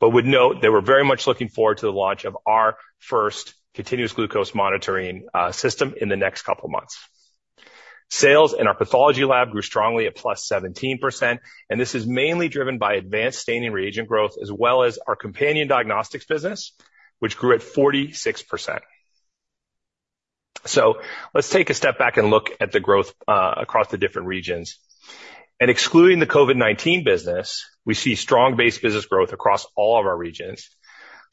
But we'd note that we're very much looking forward to the launch of our first continuous glucose monitoring system in the next couple of months. Sales in our pathology lab grew strongly at +17%, and this is mainly driven by advanced staining reagent growth, as well as our companion diagnostics business, which grew at 46%. Let's take a step back and look at the growth across the different regions. Excluding the COVID-19 business, we see strong base business growth across all of our regions.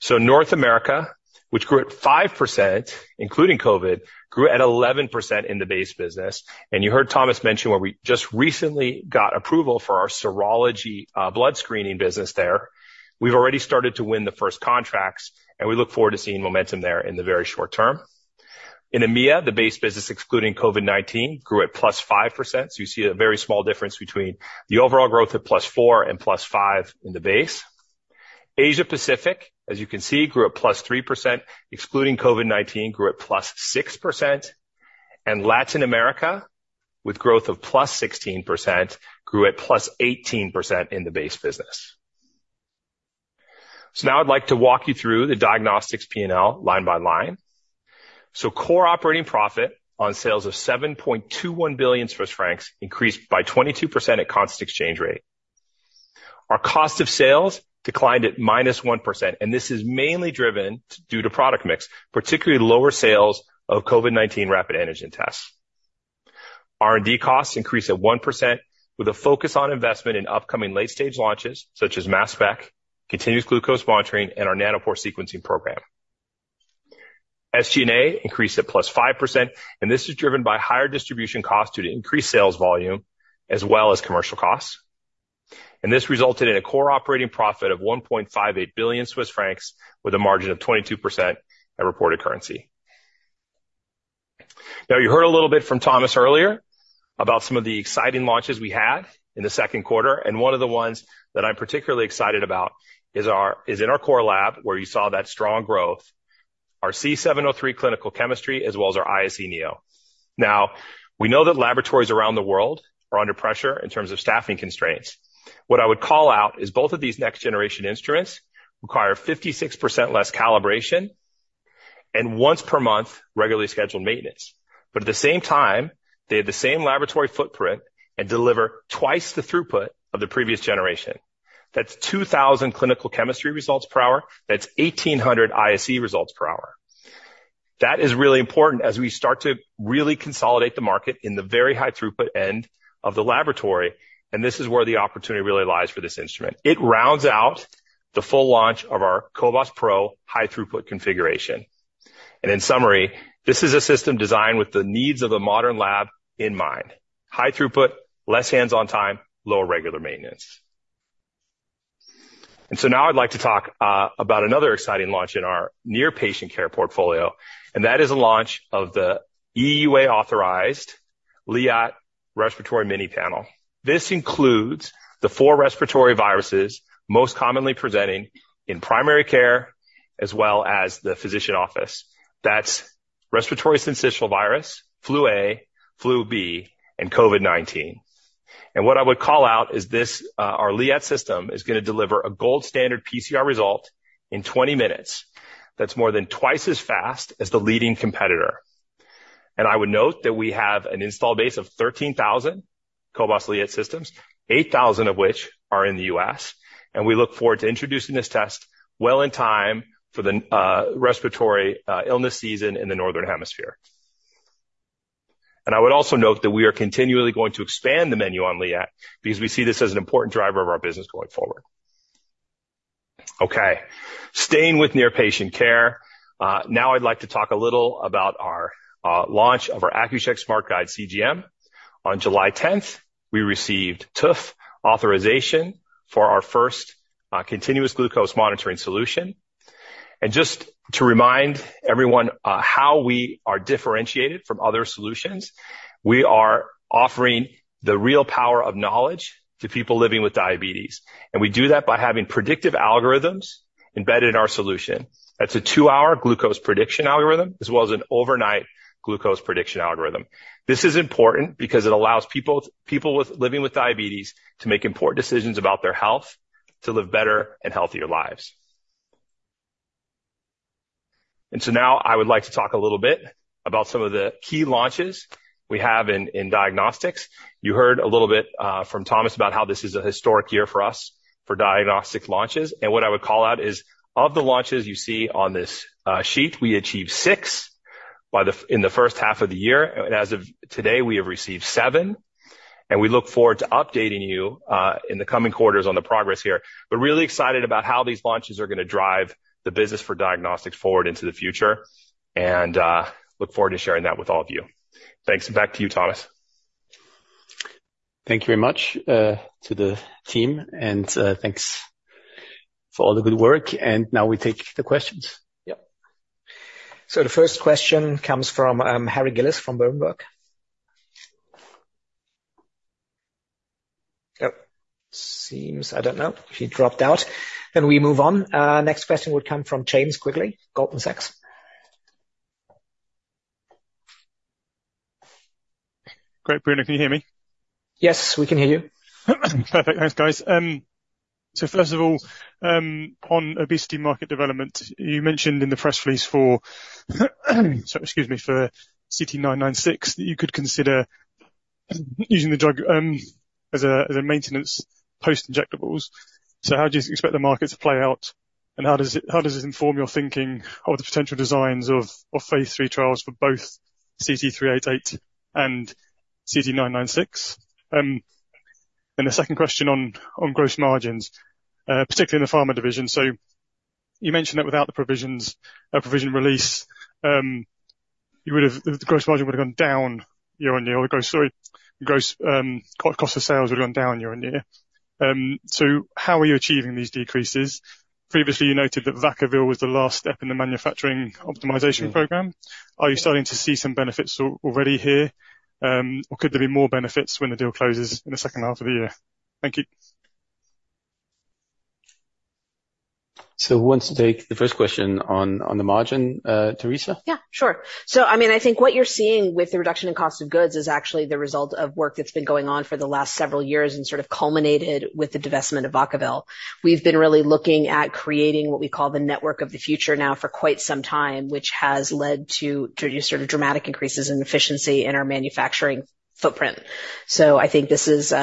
North America, which grew at 5%, including COVID, grew at 11% in the base business. You heard Thomas mention where we just recently got approval for our serology blood screening business there. We've already started to win the first contracts, and we look forward to seeing momentum there in the very short term. In EMEA, the base business, excluding COVID-19, grew at +5%. You see a very small difference between the overall growth at +4 and +5 in the base. Asia-Pacific, as you can see, grew at +3%. Excluding COVID-19, grew at +6%. Latin America, with growth of +16%, grew at +18% in the base business. Now I'd like to walk you through the diagnostics P&L line by line. Core operating profit on sales of 7.21 billion Swiss francs increased by 22% at constant exchange rate. Our cost of sales declined at -1%, and this is mainly driven due to product mix, particularly lower sales of COVID-19 rapid antigen tests. R&D costs increased at 1% with a focus on investment in upcoming late-stage launches such as MassSpec, continuous glucose monitoring, and our Nanopore sequencing program. SG&A increased at +5%, and this is driven by higher distribution costs due to increased sales volume as well as commercial costs. This resulted in a core operating profit of 1.58 billion Swiss francs with a margin of 22% at reported currency. Now, you heard a little bit from Thomas earlier about some of the exciting launches we had in the Q2. One of the ones that I'm particularly excited about is in our core lab where you saw that strong growth, our c 703 clinical chemistry, as well as our ISE neo. Now, we know that laboratories around the world are under pressure in terms of staffing constraints. What I would call out is both of these next-generation instruments require 56% less calibration and once per month regularly scheduled maintenance. But at the same time, they have the same laboratory footprint and deliver twice the throughput of the previous generation. That's 2,000 clinical chemistry results per hour. That's 1,800 ISE results per hour. That is really important as we start to really consolidate the market in the very high throughput end of the laboratory, and this is where the opportunity really lies for this instrument. It rounds out the full launch of our cobas pro high throughput configuration. In summary, this is a system designed with the needs of a modern lab in mind: high throughput, less hands-on time, lower regular maintenance. So now I'd like to talk about another exciting launch in our near patient care portfolio, and that is a launch of the EUA authorized Liat respiratory mini panel. This includes the four respiratory viruses most commonly presenting in primary care as well as the physician office. That's respiratory syncytial virus, flu A, flu B, and COVID-19. What I would call out is this: our Liat system is going to deliver a gold standard PCR result in 20 minutes. That's more than twice as fast as the leading competitor. I would note that we have an install base of 13,000 cobas liat systems, 8,000 of which are in the U.S., and we look forward to introducing this test well in time for the respiratory illness season in the northern hemisphere. I would also note that we are continually going to expand the menu on liat because we see this as an important driver of our business going forward. Okay. Staying with near patient care, now I'd like to talk a little about our launch of our Accu-Chek SmartGuide CGM. On July 10th, we received TÜV authorization for our first continuous glucose monitoring solution. And just to remind everyone how we are differentiated from other solutions, we are offering the real power of knowledge to people living with diabetes. And we do that by having predictive algorithms embedded in our solution. That's a 2-hour glucose prediction algorithm as well as an overnight glucose prediction algorithm. This is important because it allows people living with diabetes to make important decisions about their health to live better and healthier lives. And so now I would like to talk a little bit about some of the key launches we have in diagnostics. You heard a little bit from Thomas about how this is a historic year for us for diagnostic launches. And what I would call out is of the launches you see on this sheet, we achieved 6 in the first half of the year. And as of today, we have received 7. We look forward to updating you in the coming quarters on the progress here, but really excited about how these launches are going to drive the business for diagnostics forward into the future and look forward to sharing that with all of you. Thanks. Back to you, Thomas. Thank you very much to the team, and thanks for all the good work. Now we take the questions. Yep. So the first question comes from Harry Gillis from Berenberg. Yep. Seems, I don't know, he dropped out. Then we move on. Next question would come from James Quigley, Goldman Sachs. Great, Bruno, can you hear me? Yes, we can hear you. Perfect. Thanks, guys. So first of all, on obesity market development, you mentioned in the press release for, excuse me, for CT-996 that you could consider using the drug as a maintenance post-injectables. So how do you expect the market to play out, and how does it inform your thinking of the potential designs of phase lll trials for both CT-388 and CT-996? And the second question on gross margins, particularly in the pharma division. So you mentioned that without the provisions, a provision release, the gross margin would have gone down year-on-year, or the gross cost of sales would have gone down year-on-year. So how are you achieving these decreases? Previously, you noted that Vacaville was the last step in the manufacturing optimization program. Are you starting to see some benefits already here, or could there be more benefits when the deal closes in the second half of the year? Thank you. So we want to take the first question on the margin, Teresa. Yeah, sure. So I mean, I think what you're seeing with the reduction in cost of goods is actually the result of work that's been going on for the last several years and sort of culminated with the divestment of Vacaville. We've been really looking at creating what we call the network of the future now for quite some time, which has led to sort of dramatic increases in efficiency in our manufacturing footprint. So I think this is,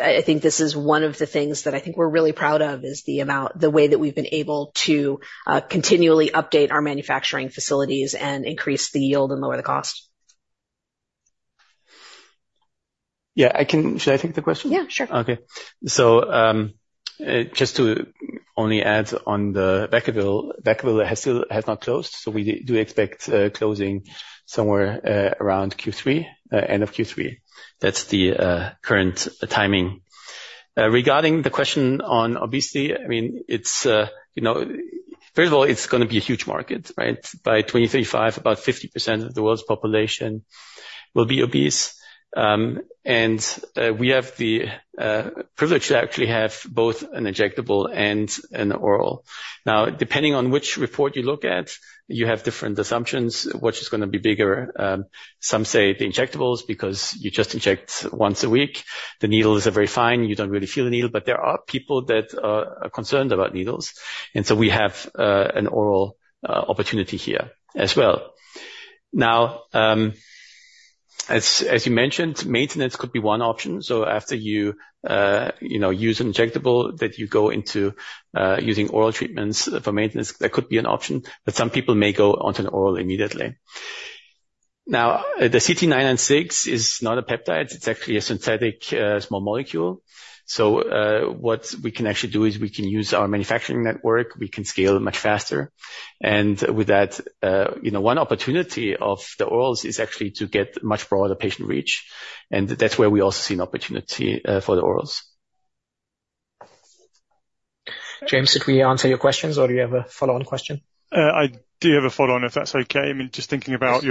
I think this is one of the things that I think we're really proud of is the amount, the way that we've been able to continually update our manufacturing facilities and increase the yield and lower the cost. Yeah, I can, should I take the question? Yeah, sure. Okay. So just to only add on the Vacaville, Vacaville has not closed, so we do expect closing somewhere around Q3, end of Q3. That's the current timing. Regarding the question on obesity, I mean, first of all, it's going to be a huge market, right? By 2035, about 50% of the world's population will be obese. And we have the privilege to actually have both an injectable and an oral. Now, depending on which report you look at, you have different assumptions, which is going to be bigger. Some say the injectables because you just inject once a week. The needle is very fine. You don't really feel the needle, but there are people that are concerned about needles. And so we have an oral opportunity here as well. Now, as you mentioned, maintenance could be one option. So after you use an injectable, that you go into using oral treatments for maintenance, that could be an option, but some people may go onto an oral immediately. Now, the CT-996 is not a peptide. It's actually a synthetic small molecule. So what we can actually do is we can use our manufacturing network. We can scale much faster. And with that, one opportunity of the orals is actually to get much broader patient reach. And that's where we also see an opportunity for the orals. James, did we answer your questions, or do you have a follow-on question? I do have a follow-on, if that's okay. I mean, just thinking about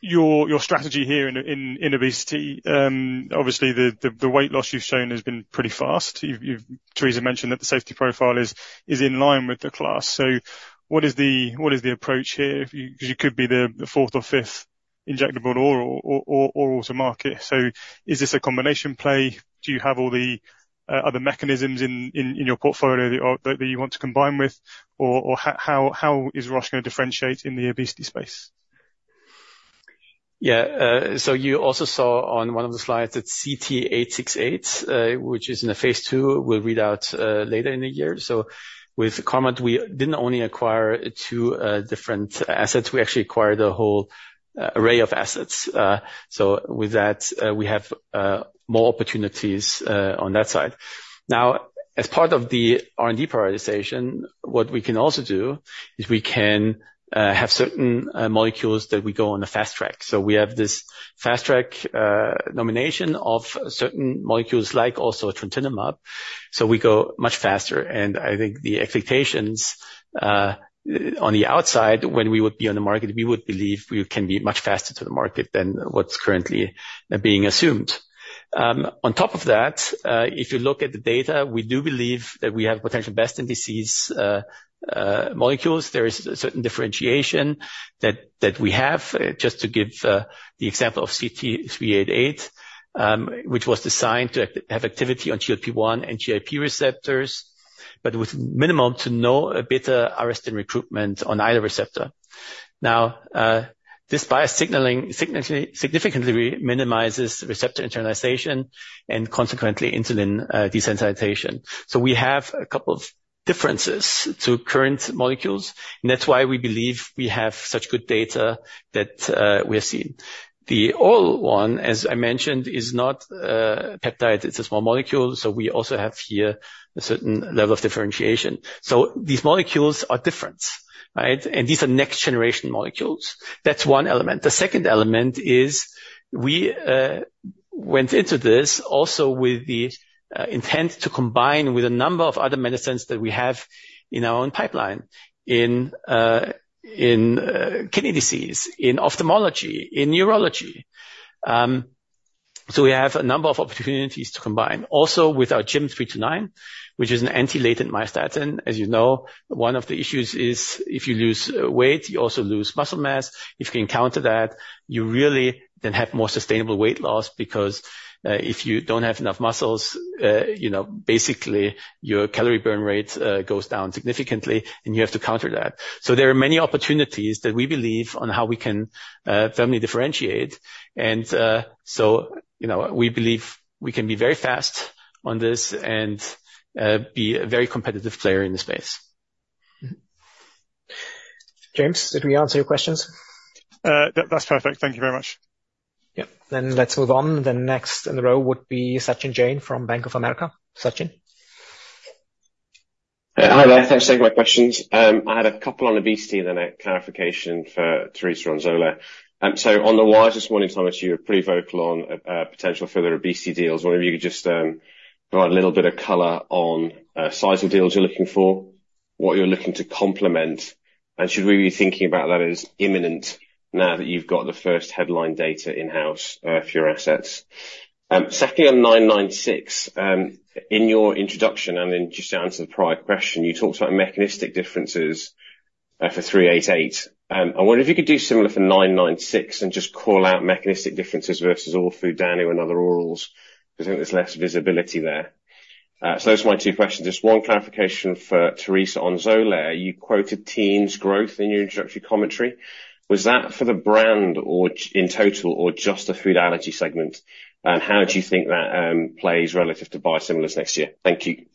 your strategy here in obesity, obviously, the weight loss you've shown has been pretty fast. Teresa mentioned that the safety profile is in line with the class. So what is the approach here? Because you could be the fourth or fifth injectable oral to market. So is this a combination play? Do you have all the other mechanisms in your portfolio that you want to combine with, or how is Roche going to differentiate in the obesity space? Yeah. So you also saw on one of the slides that CT-868, which is in a phase ll, will read out later in the year. So with Carmot, we didn't only acquire two different assets. We actually acquired a whole array of assets. So with that, we have more opportunities on that side. Now, as part of the R&D prioritization, what we can also do is we can have certain molecules that we go on a fast track. So we have this fast track nomination of certain molecules like also Trontinemab. So we go much faster. I think the expectations on the outside, when we would be on the market, we would believe we can be much faster to the market than what's currently being assumed. On top of that, if you look at the data, we do believe that we have potential best-in-class molecules. There is a certain differentiation that we have, just to give the example of CT-388, which was designed to have activity on GLP-1 and GIP receptors, but with minimal to no beta-arrestin recruitment on either receptor. Now, this biased signaling significantly minimizes receptor internalization and consequently insulin desensitization. So we have a couple of differences to current molecules, and that's why we believe we have such good data that we have seen. The oral one, as I mentioned, is not a peptide. It's a small molecule. So we also have here a certain level of differentiation. So these molecules are different, right? And these are next-generation molecules. That's one element. The second element is we went into this also with the intent to combine with a number of other medicines that we have in our own pipeline in kidney disease, in ophthalmology, in neurology. So we have a number of opportunities to combine also with our GYM329, which is an anti-latent myostatin. As you know, one of the issues is if you lose weight, you also lose muscle mass. If you can counter that, you really then have more sustainable weight loss because if you don't have enough muscles, basically your calorie burn rate goes down significantly, and you have to counter that. So there are many opportunities that we believe on how we can firmly differentiate. And so we believe we can be very fast on this and be a very competitive player in the space. James, did we answer your questions? That's perfect. Thank you very much. Yep. Then let's move on. The next in the row would be Sachin Jain from Bank of America. Sachin. Hi there. Thanks for taking my questions. I had a couple on obesity and then a clarification for Teresa Graham. So on this morning, Thomas, you were pretty vocal on potential further obesity deals. I wonder if you could just provide a little bit of color on size of deals you're looking for, what you're looking to complement, and should we be thinking about that as imminent now that you've got the first headline data in-house for your assets? Secondly, on 996, in your introduction, and then just to answer the prior question, you talked about mechanistic differences for 388. I wonder if you could do similar for 996 and just call out mechanistic differences versus Eli Lilly's danuglipron or another orals, because I think there's less visibility there. So those are my two questions. Just one clarification for Teresa Graham. You quoted Xolair's growth in your introductory commentary. Was that for the brand in total or just the food allergy segment? And how do you think that plays relative to biosimilars next year? Thank you.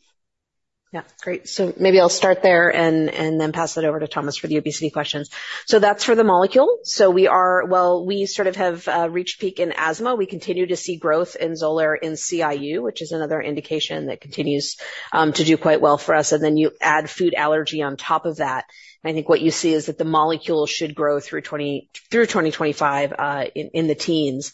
Yeah. Great. So maybe I'll start there and then pass that over to Thomas for the obesity questions. So that's for the molecule. So we are, well, we sort of have reached peak in asthma. We continue to see growth in Xolair in CIU, which is another indication that continues to do quite well for us. And then you add food allergy on top of that. And I think what you see is that the molecule should grow through 2025 in the teens.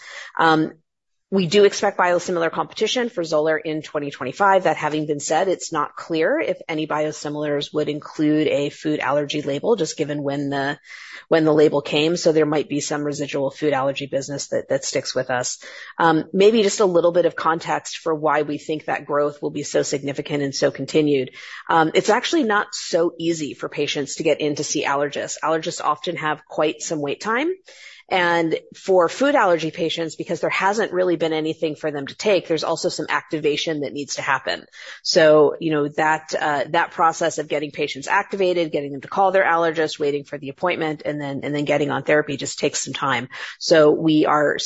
We do expect biosimilar competition for Xolair in 2025. That having been said, it's not clear if any biosimilars would include a food allergy label just given when the label came. So there might be some residual food allergy business that sticks with us. Maybe just a little bit of context for why we think that growth will be so significant and so continued. It's actually not so easy for patients to get in to see allergists. Allergists often have quite some wait time. For food allergy patients, because there hasn't really been anything for them to take, there's also some activation that needs to happen. So that process of getting patients activated, getting them to call their allergist, waiting for the appointment, and then getting on therapy just takes some time. We're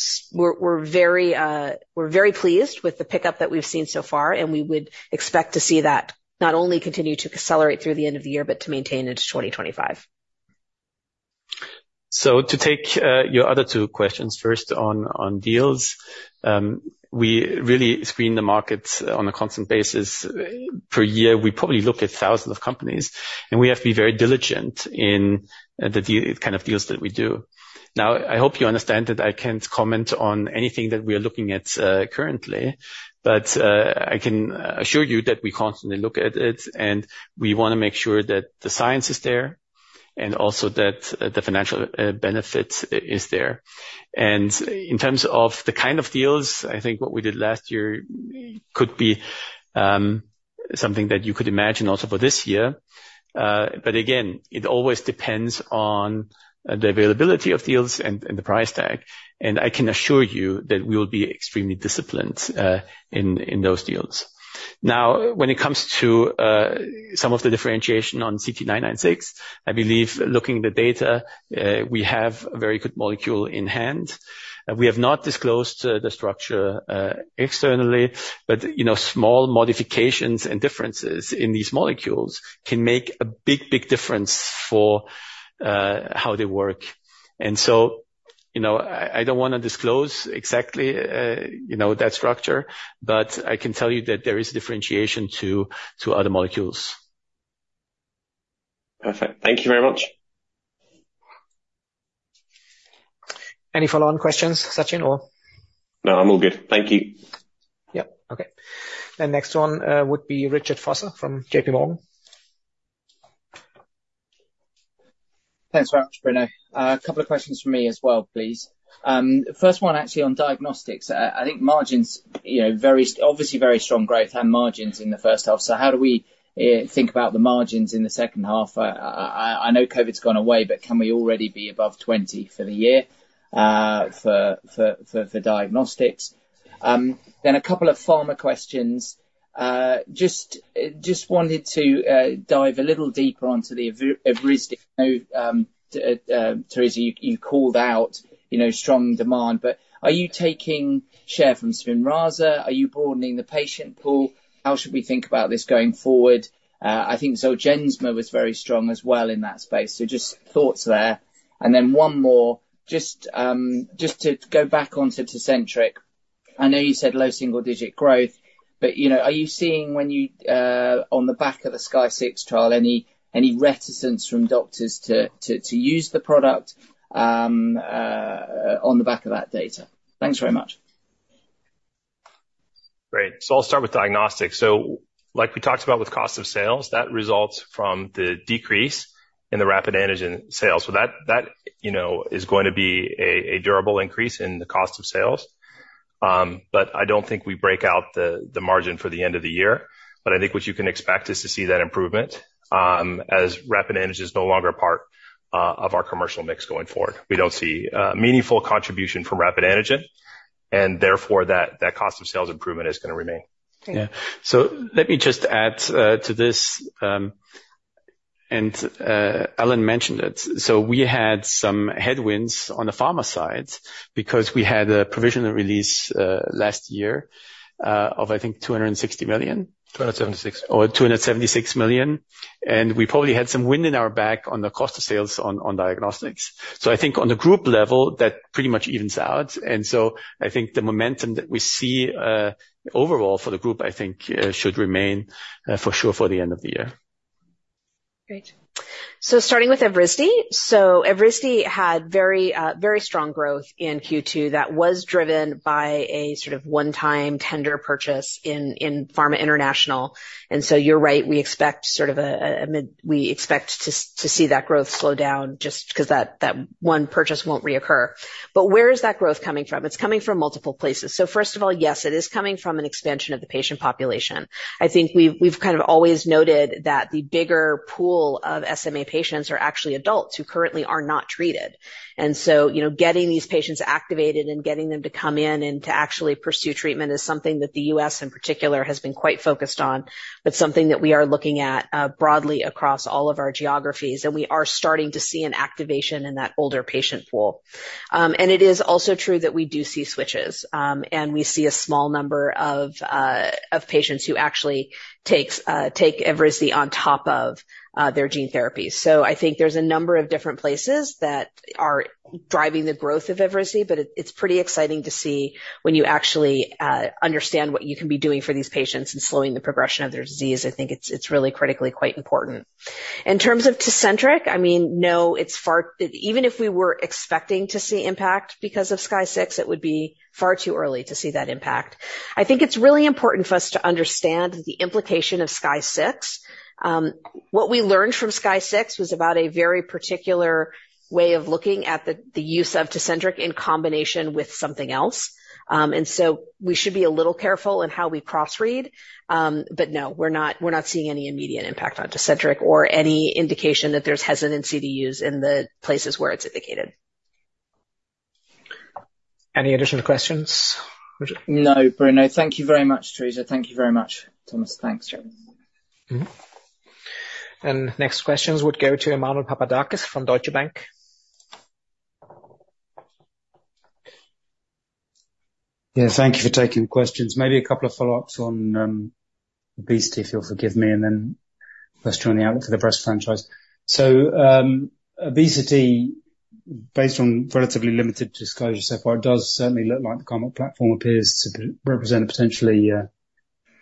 very pleased with the pickup that we've seen so far, and we would expect to see that not only continue to accelerate through the end of the year, but to maintain into 2025. To take your other two questions first on deals, we really screen the markets on a constant basis. Per year, we probably look at thousands of companies, and we have to be very diligent in the kind of deals that we do. Now, I hope you understand that I can't comment on anything that we are looking at currently, but I can assure you that we constantly look at it, and we want to make sure that the science is there and also that the financial benefit is there. And in terms of the kind of deals, I think what we did last year could be something that you could imagine also for this year. But again, it always depends on the availability of deals and the price tag. And I can assure you that we will be extremely disciplined in those deals. Now, when it comes to some of the differentiation on CT-996, I believe looking at the data, we have a very good molecule in hand. We have not disclosed the structure externally, but small modifications and differences in these molecules can make a big, big difference for how they work. And so I don't want to disclose exactly that structure, but I can tell you that there is differentiation to other molecules. Perfect. Thank you very much. Any follow-on questions, Sachin or? No, I'm all good. Thank you. Yep. Okay. Then next one would be Richard Vosser from JP Morgan. Thanks very much, Bruno. A couple of questions for me as well, please. First one, actually on diagnostics. I think margins, obviously very strong growth and margins in the first half. So how do we think about the margins in the second half? I know COVID's gone away, but can we already be above 20% for the year for diagnostics? Then a couple of pharma questions. Just wanted to dive a little deeper onto the Evrysdi. I know, Teresa, you called out strong demand, but are you taking share from Spinraza? Are you broadening the patient pool? How should we think about this going forward? I think Zolgensma was very strong as well in that space. So just thoughts there. And then one more, just to go back onto Tecentriq. I know you said low single-digit growth, but are you seeing on the back of the SKY-06 trial, any reticence from doctors to use the product on the back of that data? Thanks very much. Great. So I'll start with diagnostics. So like we talked about with cost of sales, that results from the decrease in the rapid antigen sales. So that is going to be a durable increase in the cost of sales. But I don't think we break out the margin for the end of the year. But I think what you can expect is to see that improvement as rapid antigen is no longer a part of our commercial mix going forward. We don't see a meaningful contribution from rapid antigen, and therefore that cost of sales improvement is going to remain. Yeah. So let me just add to this, and Alan mentioned it. So we had some headwinds on the pharma side because we had a provisional release last year of, I think, 260 million. 276. Or 276 million. And we probably had some wind in our back on the cost of sales on diagnostics. So I think on the group level, that pretty much evens out. So I think the momentum that we see overall for the group, I think, should remain for sure for the end of the year. Great. So starting with Evrysdi. So Evrysdi had very strong growth in Q2 that was driven by a sort of one-time tender purchase in Pharma International. And so you're right. We expect sort of a we expect to see that growth slow down just because that one purchase won't reoccur. But where is that growth coming from? It's coming from multiple places. So first of all, yes, it is coming from an expansion of the patient population. I think we've kind of always noted that the bigger pool of SMA patients are actually adults who currently are not treated. So getting these patients activated and getting them to come in and to actually pursue treatment is something that the US in particular has been quite focused on, but something that we are looking at broadly across all of our geographies. We are starting to see an activation in that older patient pool. It is also true that we do see switches, and we see a small number of patients who actually take Evrysdi on top of their gene therapy. So I think there's a number of different places that are driving the growth of Evrysdi, but it's pretty exciting to see when you actually understand what you can be doing for these patients and slowing the progression of their disease. I think it's really critically quite important. In terms of Tecentriq, I mean, no, it's far even if we were expecting to see impact because of SKY-06, it would be far too early to see that impact. I think it's really important for us to understand the implication of SKY-06. What we learned from SKY-06 was about a very particular way of looking at the use of Tecentriq in combination with something else. And so we should be a little careful in how we cross-read. But no, we're not seeing any immediate impact on Tecentriq or any indication that there's hesitancy to use in the places where it's indicated. Any additional questions? No, Bruno. Thank you very much, Teresa. Thank you very much, Thomas. Thanks, James. And next questions would go to Emmanuel Papadakis from Deutsche Bank. Yeah. Thank you for taking the questions. Maybe a couple of follow-ups on obesity, if you'll forgive me, and then a question on the outlook for the breast franchise. So obesity, based on relatively limited disclosure so far, does certainly look like the common platform appears to represent a potentially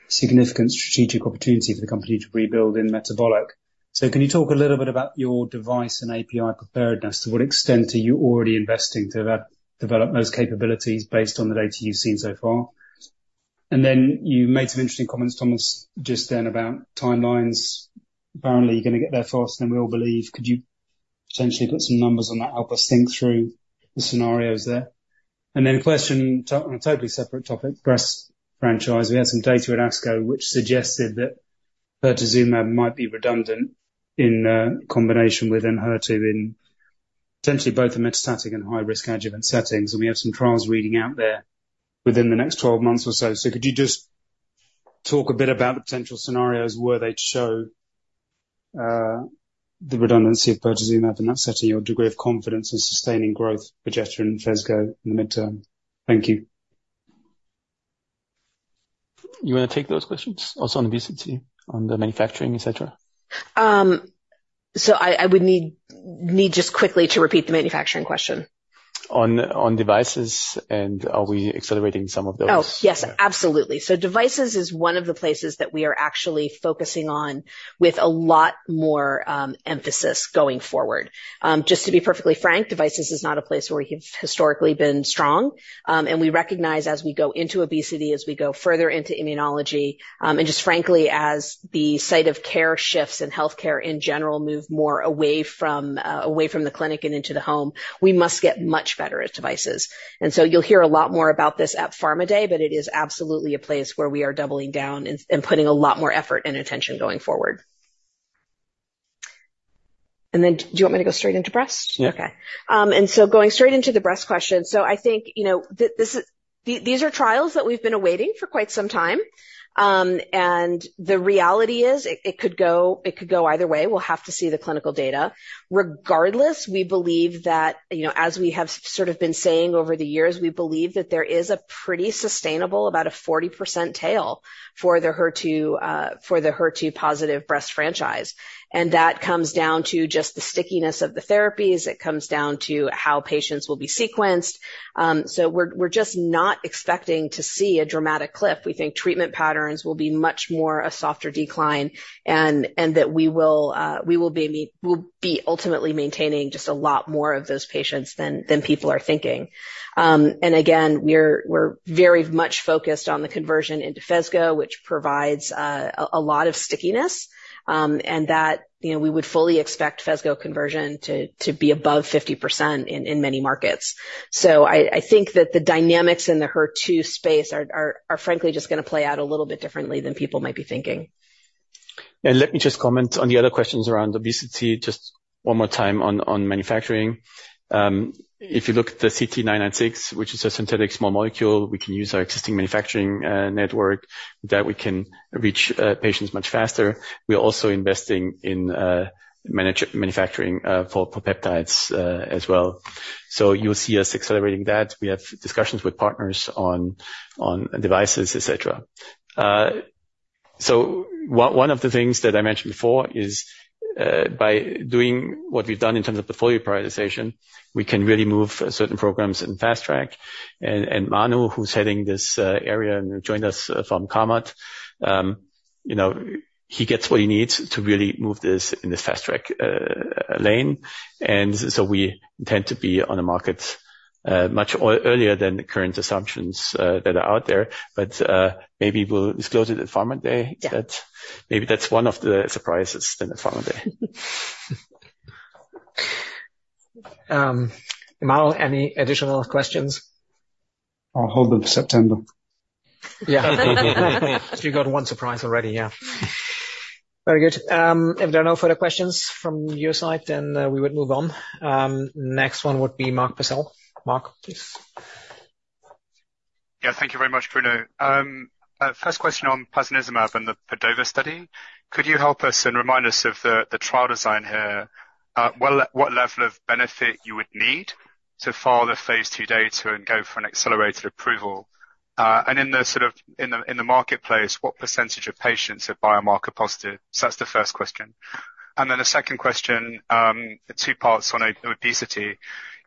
significant strategic opportunity for the company to rebuild in metabolic. So can you talk a little bit about your device and API preparedness? To what extent are you already investing to develop those capabilities based on the data you've seen so far? And then you made some interesting comments, Thomas, just then about timelines. Apparently, you're going to get there fast, and we all believe. Could you potentially put some numbers on that, help us think through the scenarios there? And then a question on a totally separate topic, breast franchise. We had some data at ASCO which suggested that trastuzumab might be redundant in combination with Enhertu in potentially both the metastatic and high-risk adjuvant settings. And we have some trials reading out there within the next 12 months or so. So could you just talk a bit about the potential scenarios where they show the redundancy of trastuzumab in that setting, your degree of confidence in sustaining growth for Perjeta and Phesgo in the midterm? Thank you. You want to take those questions? Also on obesity, on the manufacturing, etc.? So I would need just quickly to repeat the manufacturing question. On devices, and are we accelerating some of those? Oh, yes, absolutely. So devices is one of the places that we are actually focusing on with a lot more emphasis going forward. Just to be perfectly frank, devices is not a place where we have historically been strong. We recognize as we go into obesity, as we go further into immunology, and just frankly, as the site of care shifts and healthcare in general move more away from the clinic and into the home, we must get much better at devices. And so you'll hear a lot more about this at Pharma Day, but it is absolutely a place where we are doubling down and putting a lot more effort and attention going forward. And then do you want me to go straight into breasts? Yeah. Okay. And so going straight into the breast question, so I think these are trials that we've been awaiting for quite some time. And the reality is it could go either way. We'll have to see the clinical data. Regardless, we believe that as we have sort of been saying over the years, we believe that there is a pretty sustainable, about a 40% tail for the HER2-positive breast franchise. And that comes down to just the stickiness of the therapies. It comes down to how patients will be sequenced. So we're just not expecting to see a dramatic cliff. We think treatment patterns will be much more a softer decline and that we will be ultimately maintaining just a lot more of those patients than people are thinking. And again, we're very much focused on the conversion into Phesgo, which provides a lot of stickiness, and that we would fully expect Phesgo conversion to be above 50% in many markets. So I think that the dynamics in the HER2 space are frankly just going to play out a little bit differently than people might be thinking. Let me just comment on the other questions around obesity just one more time on manufacturing. If you look at the CT-996, which is a synthetic small molecule, we can use our existing manufacturing network that we can reach patients much faster. We're also investing in manufacturing for peptides as well. So you'll see us accelerating that. We have discussions with partners on devices, etc. So one of the things that I mentioned before is by doing what we've done in terms of portfolio prioritization, we can really move certain programs in fast track. And Manu, who's heading this area and joined us from Carmot, he gets what he needs to really move this in this fast track lane. And so we intend to be on the market much earlier than current assumptions that are out there. But maybe we'll disclose it at Pharma Day. Maybe that's one of the surprises at Pharma Day. Emanuel, any additional questions? I'll hold them for September. Yeah. So you've got one surprise already, yeah. Very good. If there are no further questions from your side, then we would move on. Next one would be Mark Purcell. Mark, please. Yeah. Thank you very much, Bruno. First question on Prasinezumab and the PADOVA study. Could you help us and remind us of the trial design here, what level of benefit you would need to follow the phase ll data and go for an accelerated approval? And in the marketplace, what percentage of patients are biomarker positive? So that's the first question. And then the second question, two parts on obesity.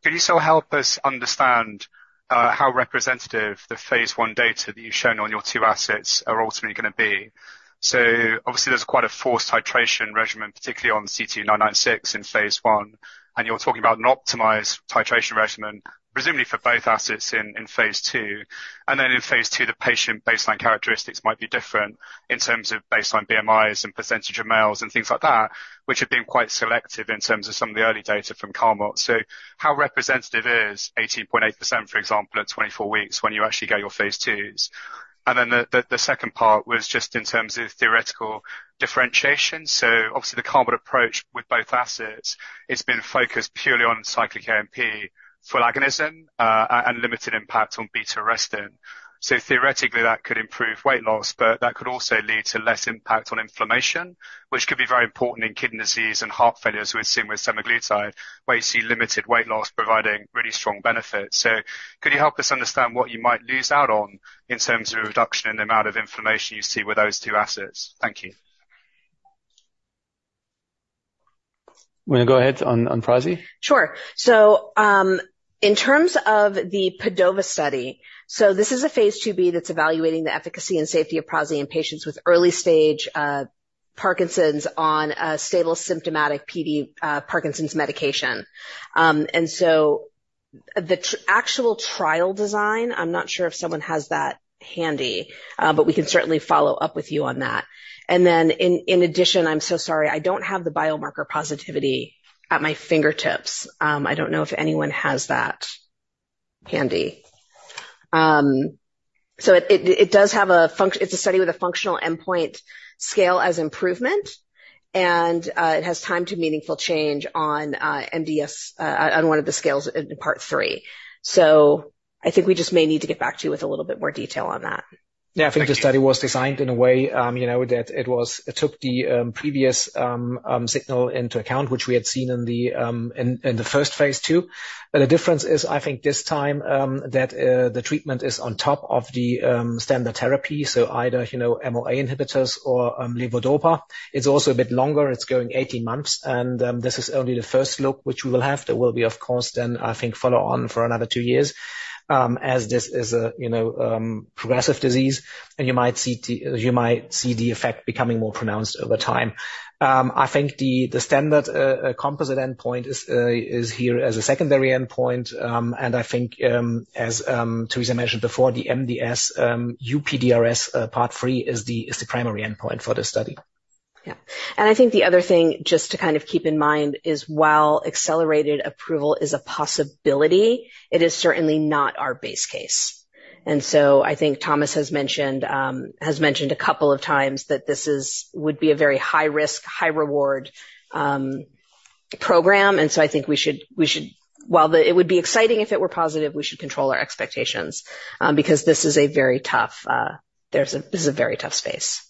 Could you still help us understand how representative the phase l data that you've shown on your two assets are ultimately going to be? So obviously, there's quite a forced titration regimen, particularly on CT-996 in phase l. And you're talking about an optimized titration regimen, presumably for both assets in phase ll. And then in phase ll, the patient baseline characteristics might be different in terms of baseline BMIs and percentage of males and things like that, which have been quite selective in terms of some of the early data from Carmot. So how representative is 18.8%, for example, at 24 weeks when you actually get your phase ll? And then the second part was just in terms of theoretical differentiation. So obviously, the Carmot approach with both assets has been focused purely on cyclic AMP agonism and limited impact on beta-arrestin. So theoretically, that could improve weight loss, but that could also lead to less impact on inflammation, which could be very important in kidney disease and heart failure, as we've seen with semaglutide, where you see limited weight loss providing really strong benefits. So could you help us understand what you might lose out on in terms of reduction in the amount of inflammation you see with those two assets? Thank you. Want to go ahead on prasi? Sure. So in terms of the PADOVA study, so this is a phase ll b that's evaluating the efficacy and safety of prasi in patients with early-stage Parkinson's on a stable symptomatic PD Parkinson's medication. And so the actual trial design, I'm not sure if someone has that handy, but we can certainly follow up with you on that. In addition, I'm so sorry, I don't have the biomarker positivity at my fingertips. I don't know if anyone has that handy. So it does have a function; it's a study with a functional endpoint scale as improvement, and it has time to meaningful change on one of the scales in part three. So I think we just may need to get back to you with a little bit more detail on that. Yeah. I think the study was designed in a way that it took the previous signal into account, which we had seen in the first phase ll. But the difference is, I think this time that the treatment is on top of the standard therapy, so either MAO inhibitors or levodopa. It's also a bit longer. It's going 18 months. And this is only the first look which we will have. There will be, of course, then I think follow-on for another 2 years as this is a progressive disease. You might see the effect becoming more pronounced over time. I think the standard composite endpoint is here as a secondary endpoint. I think, as Teresa mentioned before, the MDS UPDRS part 3 is the primary endpoint for this study. Yeah. I think the other thing just to kind of keep in mind is while accelerated approval is a possibility, it is certainly not our base case. So I think Thomas has mentioned a couple of times that this would be a very high-risk, high-reward program. So I think we should, while it would be exciting if it were positive, we should control our expectations because this is a very tough space.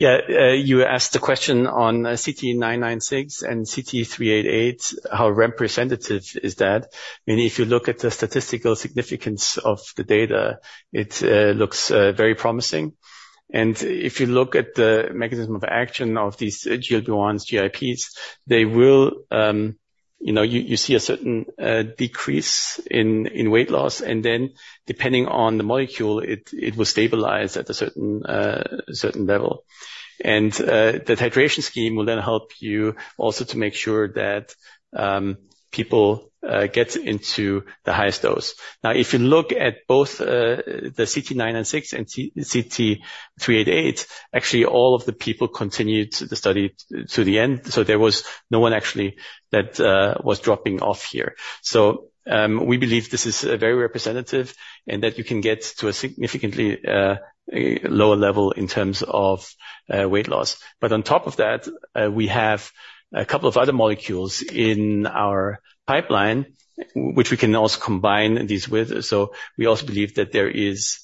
Yeah. You asked the question on CT-996 and CT-388, how representative is that? I mean, if you look at the statistical significance of the data, it looks very promising. If you look at the mechanism of action of these GLP-1s, GIPs, they will, you see, a certain decrease in weight loss. Then depending on the molecule, it will stabilize at a certain level. The titration scheme will then help you also to make sure that people get into the highest dose. Now, if you look at both the CT-996 and CT-388, actually all of the people continued the study to the end. So there was no one actually that was dropping off here. We believe this is very representative and that you can get to a significantly lower level in terms of weight loss. But on top of that, we have a couple of other molecules in our pipeline, which we can also combine these with. So we also believe that there is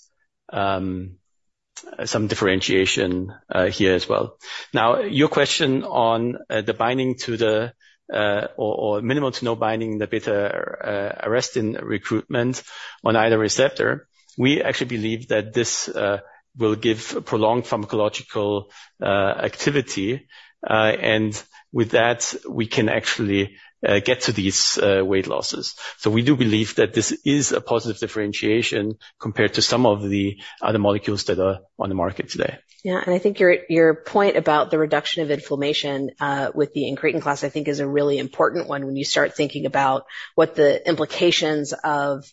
some differentiation here as well. Now, your question on the binding to the or minimal to no binding in the beta-arrestin recruitment on either receptor, we actually believe that this will give prolonged pharmacological activity. And with that, we can actually get to these weight losses. So we do believe that this is a positive differentiation compared to some of the other molecules that are on the market today. Yeah. And I think your point about the reduction of inflammation with the incretin class, I think, is a really important one when you start thinking about what the implications of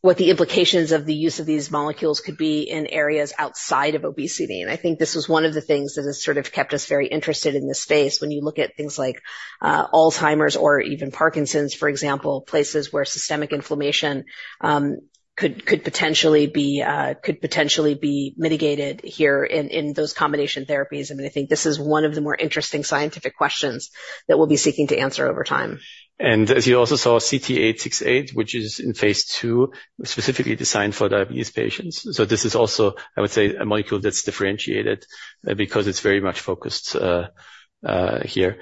what the implications of the use of these molecules could be in areas outside of obesity. I think this was one of the things that has sort of kept us very interested in this space. When you look at things like Alzheimer's or even Parkinson's, for example, places where systemic inflammation could potentially be mitigated here in those combination therapies. I mean, I think this is one of the more interesting scientific questions that we'll be seeking to answer over time. And as you also saw, CT-868, which is in phase ll, specifically designed for diabetes patients. So this is also, I would say, a molecule that's differentiated because it's very much focused here.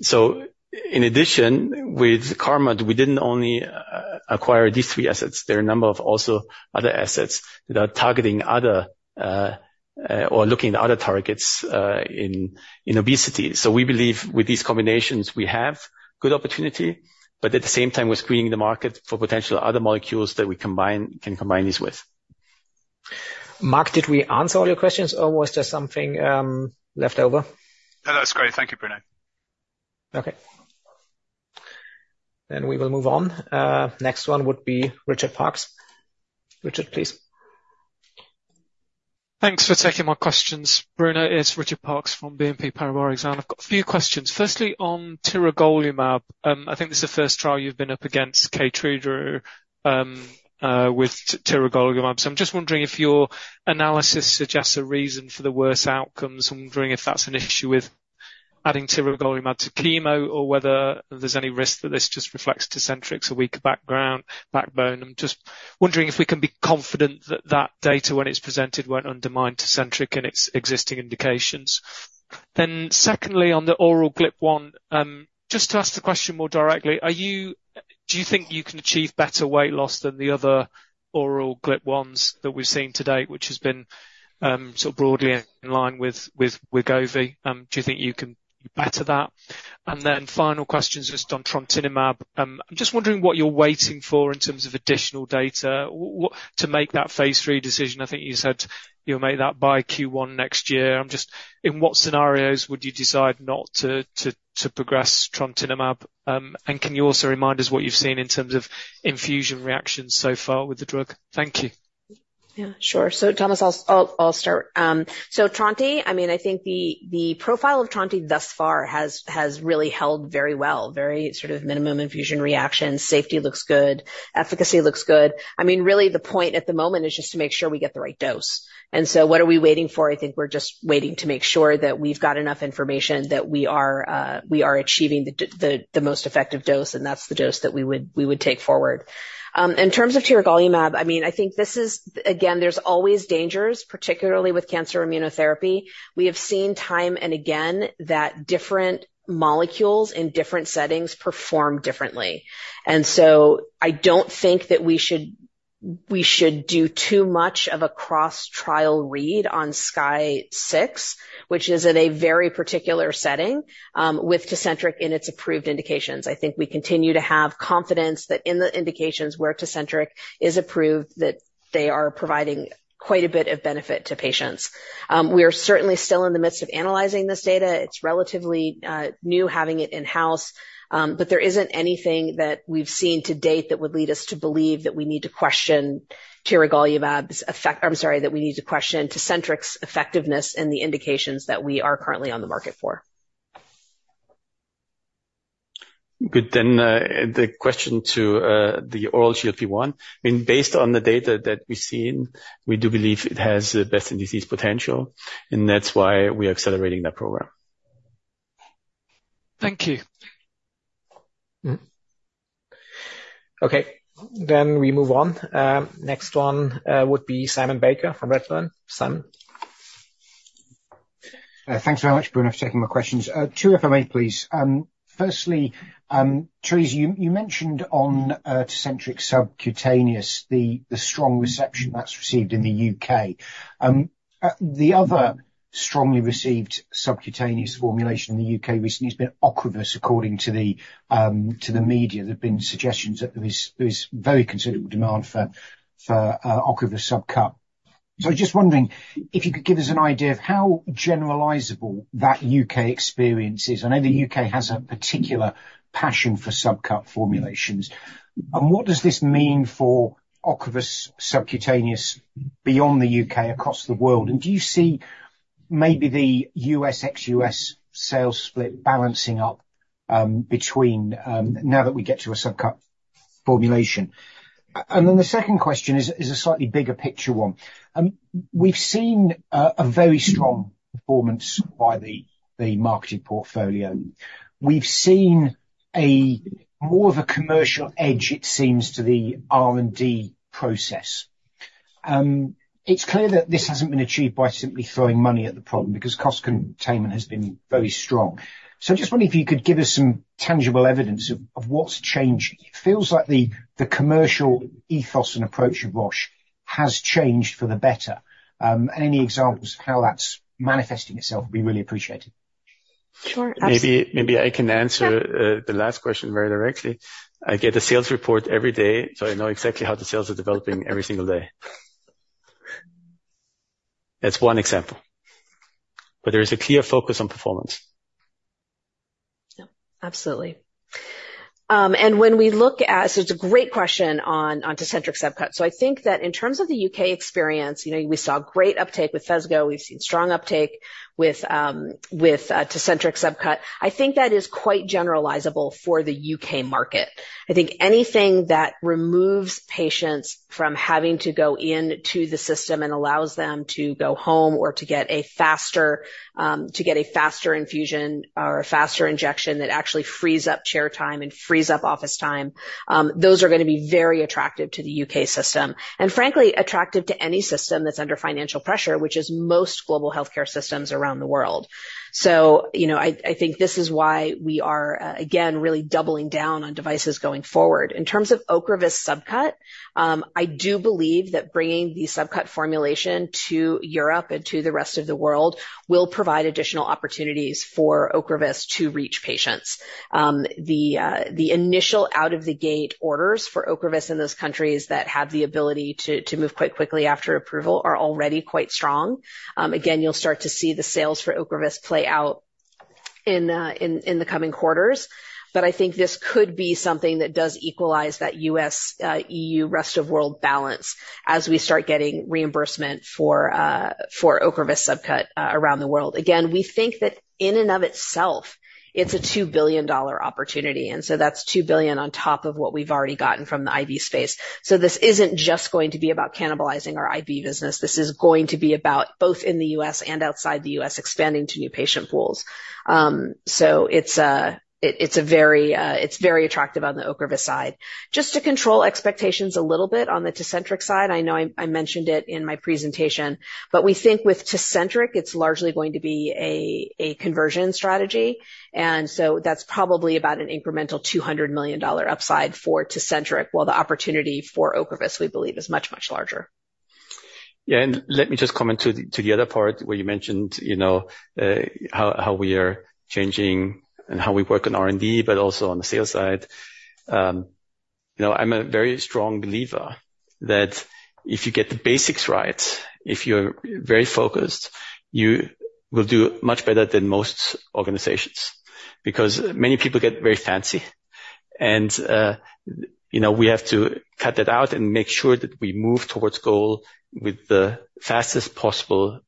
So in addition, with Carmot, we didn't only acquire these three assets. There are a number of also other assets that are targeting other or looking at other targets in obesity. So we believe with these combinations, we have good opportunity, but at the same time, we're screening the market for potential other molecules that we can combine these with. Mark, did we answer all your questions, or was there something left over? No, that was great. Thank you, Bruno. Okay. Then we will move on. Next one would be Richard Parkes. Richard, please. Thanks for taking my questions. Bruno, it's Richard Parkes from BNP Paribas Exane. I've got a few questions. Firstly, on Tiragolumab, I think this is the first trial you've been up against, Keytruda with Tiragolumab. So I'm just wondering if your analysis suggests a reason for the worse outcomes. I'm wondering if that's an issue with adding Tiragolumab to chemo or whether there's any risk that this just reflects Tecentriq, so weaker background, backbone. I'm just wondering if we can be confident that that data, when it's presented, won't undermine Tecentriq and its existing indications. Then secondly, on the oral GLP-1, just to ask the question more directly, do you think you can achieve better weight loss than the other oral GLP-1s that we've seen to date, which has been sort of broadly in line with Wegovy? Do you think you can better that? And then final questions just on Trontinemab. I'm just wondering what you're waiting for in terms of additional data to make that phase III decision. I think you said you'll make that by Q1 next year. In what scenarios would you decide not to progress Trontinemab? And can you also remind us what you've seen in terms of infusion reactions so far with the drug? Thank you. Yeah. Sure. So Thomas, I'll start. Tronti, I mean, I think the profile of Tronti thus far has really held very well, very sort of minimum infusion reactions. Safety looks good. Efficacy looks good. I mean, really, the point at the moment is just to make sure we get the right dose. And so what are we waiting for? I think we're just waiting to make sure that we've got enough information that we are achieving the most effective dose, and that's the dose that we would take forward. In terms of Tiragolumab, I mean, I think this is, again, there's always dangers, particularly with cancer immunotherapy. We have seen time and again that different molecules in different settings perform differently. And so I don't think that we should do too much of a cross-trial read on SKY-06, which is in a very particular setting with Tecentriq in its approved indications. I think we continue to have confidence that in the indications where Tecentriq is approved, that they are providing quite a bit of benefit to patients. We are certainly still in the midst of analyzing this data. It's relatively new having it in-house, but there isn't anything that we've seen to date that would lead us to believe that we need to question Tiragolumab's effect. I'm sorry, that we need to question Tecentriq's effectiveness and the indications that we are currently on the market for. Good. Then the question to the oral GLP-1. I mean, based on the data that we've seen, we do believe it has the best-in-disease potential, and that's why we are accelerating that program. Thank you. Okay. Then we move on. Next one would be Simon Baker from Redburn. Simon. Thanks very much, Bruno, for taking my questions. Two if I may, please. Firstly, Teresa, you mentioned on Tecentriq subcutaneous the strong reception that's received in the UK. The other strongly received subcutaneous formulation in the UK recently has been Ocrevus, according to the media. There have been suggestions that there is very considerable demand for Ocrevus subcut. So I was just wondering if you could give us an idea of how generalizable that UK experience is. I know the UK has a particular passion for subcut formulations. And what does this mean for Ocrevus subcutaneous beyond the UK, across the world? And do you see maybe the US ex-US sales split balancing up between now that we get to a subcut formulation? And then the second question is a slightly bigger picture one. We've seen a very strong performance by the marketing portfolio. We've seen more of a commercial edge, it seems, to the R&D process. It's clear that this hasn't been achieved by simply throwing money at the problem because cost containment has been very strong. So I just wonder if you could give us some tangible evidence of what's changed. It feels like the commercial ethos and approach of Roche has changed for the better. And any examples of how that's manifesting itself would be really appreciated. Sure. Absolutely. Maybe I can answer the last question very directly. I get a sales report every day, so I know exactly how the sales are developing every single day. That's one example. But there is a clear focus on performance. Absolutely. And when we look at, so it's a great question on Tecentriq subcut. So I think that in terms of the UK experience, we saw great uptake with Phesgo. We've seen strong uptake with Tecentriq subcut. I think that is quite generalizable for the UK market. I think anything that removes patients from having to go into the system and allows them to go home or to get a faster infusion or a faster injection that actually frees up chair time and frees up office time, those are going to be very attractive to the UK system. Frankly, attractive to any system that's under financial pressure, which is most global healthcare systems around the world. I think this is why we are, again, really doubling down on devices going forward. In terms of Ocrevus subcut, I do believe that bringing the subcut formulation to Europe and to the rest of the world will provide additional opportunities for Ocrevus to reach patients. The initial out-of-the-gate orders for Ocrevus in those countries that have the ability to move quite quickly after approval are already quite strong. Again, you'll start to see the sales for Ocrevus play out in the coming quarters. But I think this could be something that does equalize that U.S.-EU rest of world balance as we start getting reimbursement for Ocrevus subcut around the world. Again, we think that in and of itself, it's a $2 billion opportunity. And so that's $2 billion on top of what we've already gotten from the IV space. So this isn't just going to be about cannibalizing our IV business. This is going to be about both in the U.S. and outside the U.S. expanding to new patient pools. So it's a very attractive on the Ocrevus side. Just to control expectations a little bit on the Tecentriq side, I know I mentioned it in my presentation, but we think with Tecentriq, it's largely going to be a conversion strategy. And so that's probably about an incremental $200 million upside for Tecentriq, while the opportunity for Ocrevus, we believe, is much, much larger. Yeah. Let me just comment on the other part where you mentioned how we are changing and how we work on R&D, but also on the sales side. I'm a very strong believer that if you get the basics right, if you're very focused, you will do much better than most organizations because many people get very fancy. And we have to cut that out and make sure that we move towards goal with the fastest possible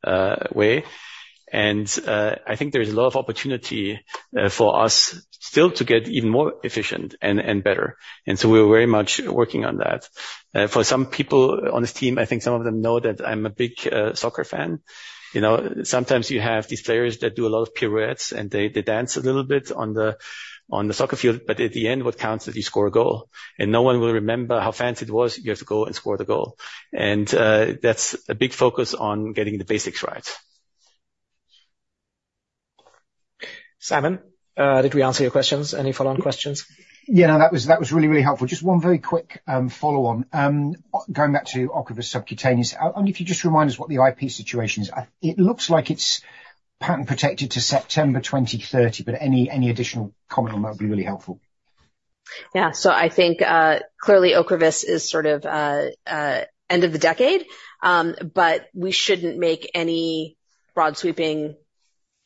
way. I think there's a lot of opportunity for us still to get even more efficient and better. So we're very much working on that. For some people on this team, I think some of them know that I'm a big soccer fan. Sometimes you have these players that do a lot of pirouettes, and they dance a little bit on the soccer field. But at the end, what counts is you score a goal. No one will remember how fancy it was. You have to go and score the goal. That's a big focus on getting the basics right. Simon, did we answer your questions? Any follow-on questions? Yeah. No, that was really, really helpful. Just one very quick follow-on. Going back to Ocrevus subcutaneous, only if you just remind us what the IP situation is. It looks like it's patent protected to September 2030, but any additional comment on that would be really helpful. Yeah. So I think clearly Ocrevus is sort of end of the decade, but we shouldn't make any broad sweeping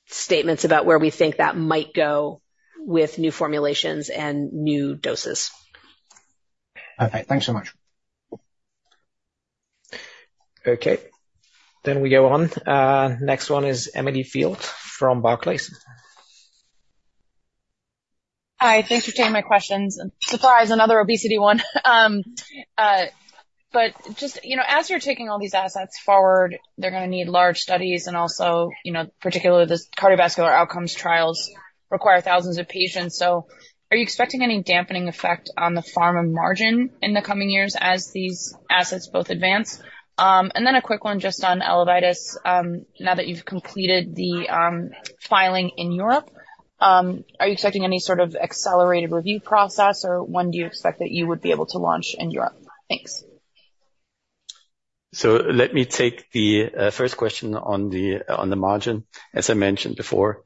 statements about where we think that might go with new formulations and new doses. Perfect. Thanks so much. Okay. Then we go on. Next one is Emily Field from Barclays. Hi. Thanks for taking my questions. Surprise, another obesity one. But just as you're taking all these assets forward, they're going to need large studies and also, particularly, the cardiovascular outcomes trials require thousands of patients. So are you expecting any dampening effect on the pharma margin in the coming years as these assets both advance? And then a quick one just on Elevidys. Now that you've completed the filing in Europe, are you expecting any sort of accelerated review process, or when do you expect that you would be able to launch in Europe? Thanks. So let me take the first question on the margin. As I mentioned before,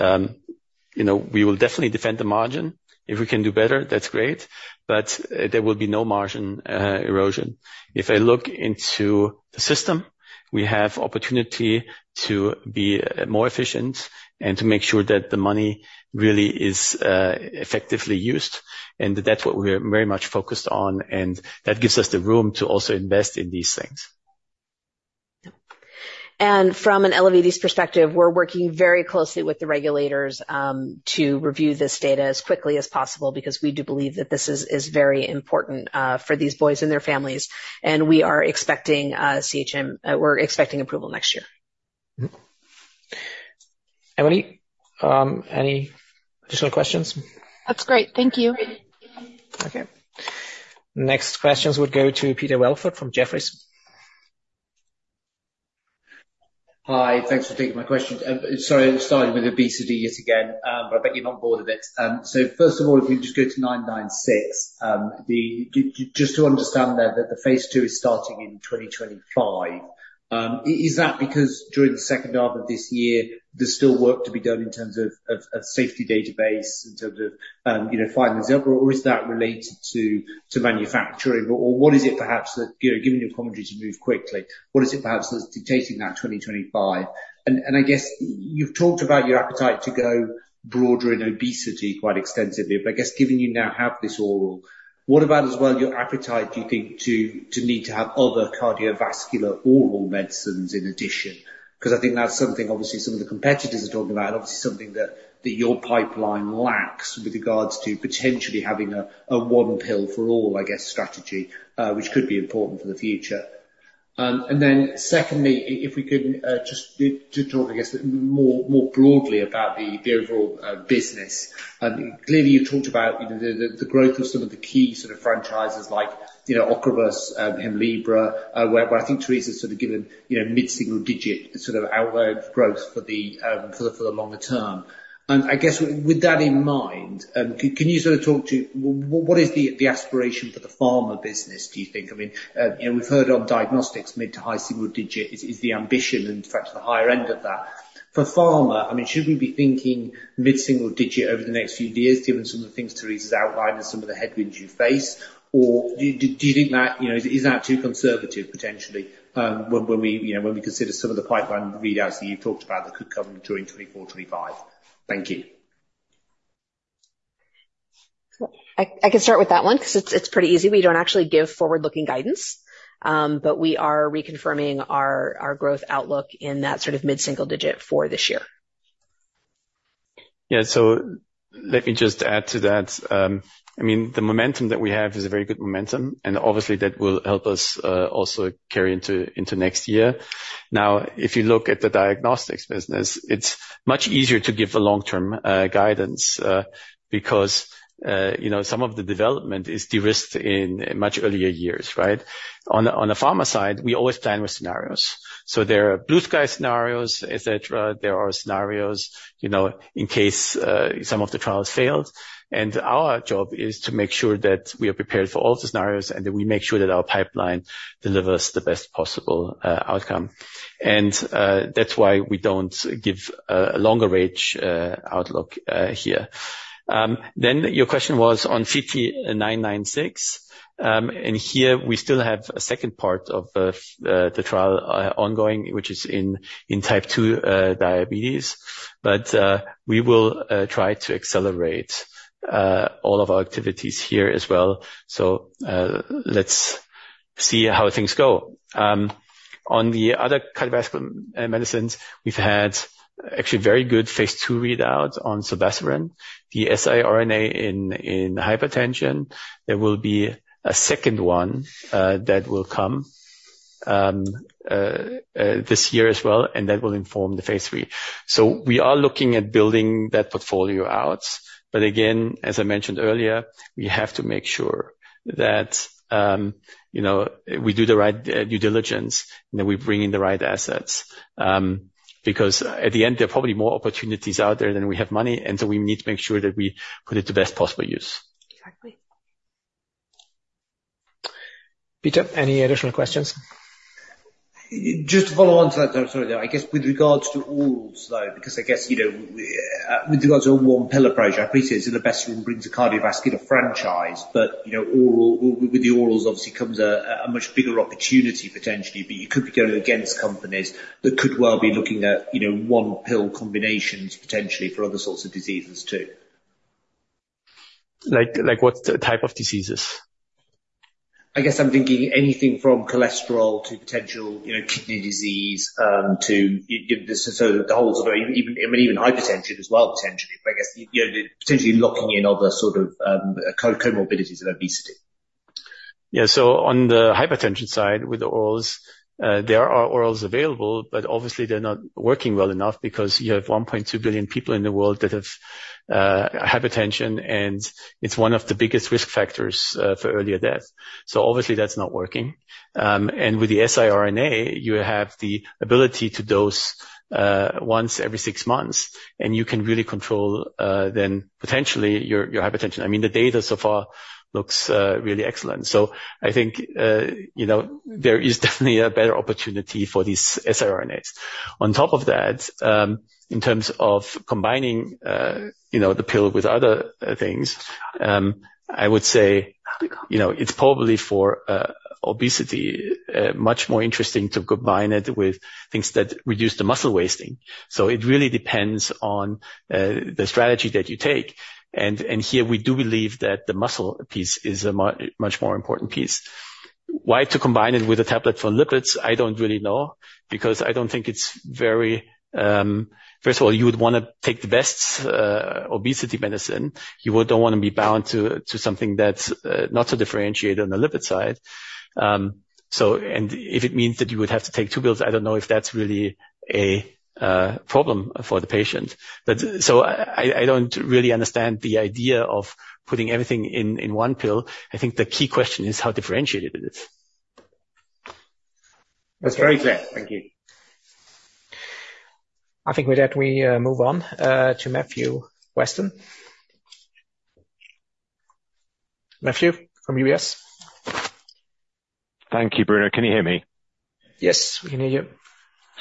we will definitely defend the margin. If we can do better, that's great. But there will be no margin erosion. If I look into the system, we have opportunity to be more efficient and to make sure that the money really is effectively used. And that's what we're very much focused on. And that gives us the room to also invest in these things. And from an Elevidys's perspective, we're working very closely with the regulators to review this data as quickly as possible because we do believe that this is very important for these boys and their families. We are expecting CHMP; we're expecting approval next year. Emily, any additional questions? That's great. Thank you. Okay. Next questions would go to Peter Welford from Jefferies. Hi. Thanks for taking my question. Sorry, I started with obesity yet again, but I bet you're not bored of it. So first of all, if you just go to 996, just to understand that the phase ll is starting in 2025. Is that because during the second half of this year, there's still work to be done in terms of safety database, in terms of finding this out, or is that related to manufacturing? Or what is it perhaps that, given your commentary to move quickly, what is it perhaps that's dictating that 2025? And I guess you've talked about your appetite to go broader in obesity quite extensively. But I guess given you now have this oral, what about as well your appetite, do you think, to need to have other cardiovascular oral medicines in addition? Because I think that's something, obviously, some of the competitors are talking about, and obviously something that your pipeline lacks with regards to potentially having a one pill for all, I guess, strategy, which could be important for the future. And then secondly, if we could just talk, I guess, more broadly about the overall business. Clearly, you've talked about the growth of some of the key sort of franchises like Ocrevus, Hemlibra, where I think Teresa's sort of given mid-single digit sort of outlook growth for the longer term. And I guess with that in mind, can you sort of talk to what is the aspiration for the pharma business, do you think? I mean, we've heard on diagnostics, mid- to high-single-digit is the ambition, in fact, the higher end of that. For pharma, I mean, should we be thinking mid-single-digit over the next few years, given some of the things Teresa's outlined and some of the headwinds you face? Or do you think that is that too conservative, potentially, when we consider some of the pipeline readouts that you've talked about that could come during 2024, 2025? Thank you. I can start with that one because it's pretty easy. We don't actually give forward-looking guidance, but we are reconfirming our growth outlook in that sort of mid-single-digit for this year. Yeah. So let me just add to that. I mean, the momentum that we have is a very good momentum, and obviously, that will help us also carry into next year. Now, if you look at the diagnostics business, it's much easier to give the long-term guidance because some of the development is de-risked in much earlier years, right? On the pharma side, we always plan with scenarios. So there are blue sky scenarios, etc. There are scenarios in case some of the trials failed. And our job is to make sure that we are prepared for all the scenarios and that we make sure that our pipeline delivers the best possible outcome. And that's why we don't give a longer range outlook here. Then your question was on CT-996. And here, we still have a second part of the trial ongoing, which is in type 2 diabetes. But we will try to accelerate all of our activities here as well. So let's see how things go. On the other cardiovascular medicines, we've had actually very good phase two readouts on zilebesiran, the siRNA in hypertension. There will be a second one that will come this year as well, and that will inform the phase three. So we are looking at building that portfolio out. But again, as I mentioned earlier, we have to make sure that we do the right due diligence and that we bring in the right assets because at the end, there are probably more opportunities out there than we have money. And so we need to make sure that we put it to best possible use. Peter, any additional questions? Just follow on to that, sorry, though. I guess with regards to orals, though, because I guess with regards to a one pill approach, I appreciate it's in the best room brings a cardiovascular franchise. But with the orals, obviously, comes a much bigger opportunity potentially. But you could be going against companies that could well be looking at one pill combinations potentially for other sorts of diseases too. Like what type of diseases? I guess I'm thinking anything from cholesterol to potential kidney disease to sort of the whole sort of even hypertension as well potentially. But I guess potentially locking in other sort of comorbidities of obesity. Yeah. So on the hypertension side with the orals, there are orals available, but obviously, they're not working well enough because you have 1.2 billion people in the world that have hypertension, and it's one of the biggest risk factors for earlier death. So obviously, that's not working. And with the siRNA, you have the ability to dose once every six months, and you can really control then potentially your hypertension. I mean, the data so far looks really excellent. So I think there is definitely a better opportunity for these siRNAs. On top of that, in terms of combining the pill with other things, I would say it's probably for obesity much more interesting to combine it with things that reduce the muscle wasting. So it really depends on the strategy that you take. And here, we do believe that the muscle piece is a much more important piece. Why to combine it with a tablet for lipids? I don't really know because I don't think it's very first of all, you would want to take the best obesity medicine. You don't want to be bound to something that's not so differentiated on the lipid side. And if it means that you would have to take two pills, I don't know if that's really a problem for the patient. I don't really understand the idea of putting everything in one pill. I think the key question is how differentiated it is. That's very clear. Thank you. I think with that, we move on to Matthew Weston. Matthew, from UBS. Thank you, Bruno. Can you hear me? Yes, we can hear you.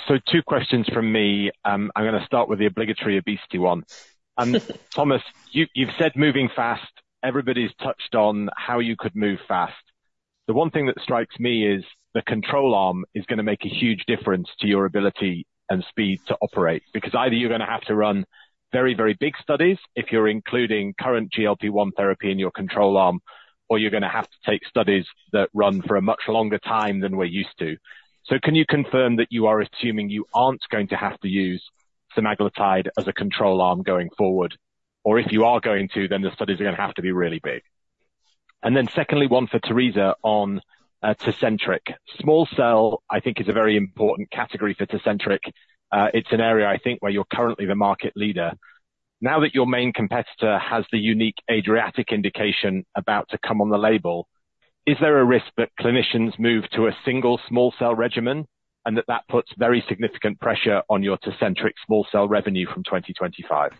Two questions from me. I'm going to start with the obligatory obesity one. Thomas, you've said moving fast. Everybody's touched on how you could move fast. The one thing that strikes me is the control arm is going to make a huge difference to your ability and speed to operate because either you're going to have to run very, very big studies if you're including current GLP-1 therapy in your control arm, or you're going to have to take studies that run for a much longer time than we're used to. So can you confirm that you are assuming you aren't going to have to use semaglutide as a control arm going forward? Or if you are going to, then the studies are going to have to be really big. And then secondly, one for Teresa on Tecentriq. Small cell, I think, is a very important category for Tecentriq. It's an area, I think, where you're currently the market leader. Now that your main competitor has the unique ADRIATIC indication about to come on the label, is there a risk that clinicians move to a single small cell regimen and that that puts very significant pressure on your Tecentriq small cell revenue from 2025?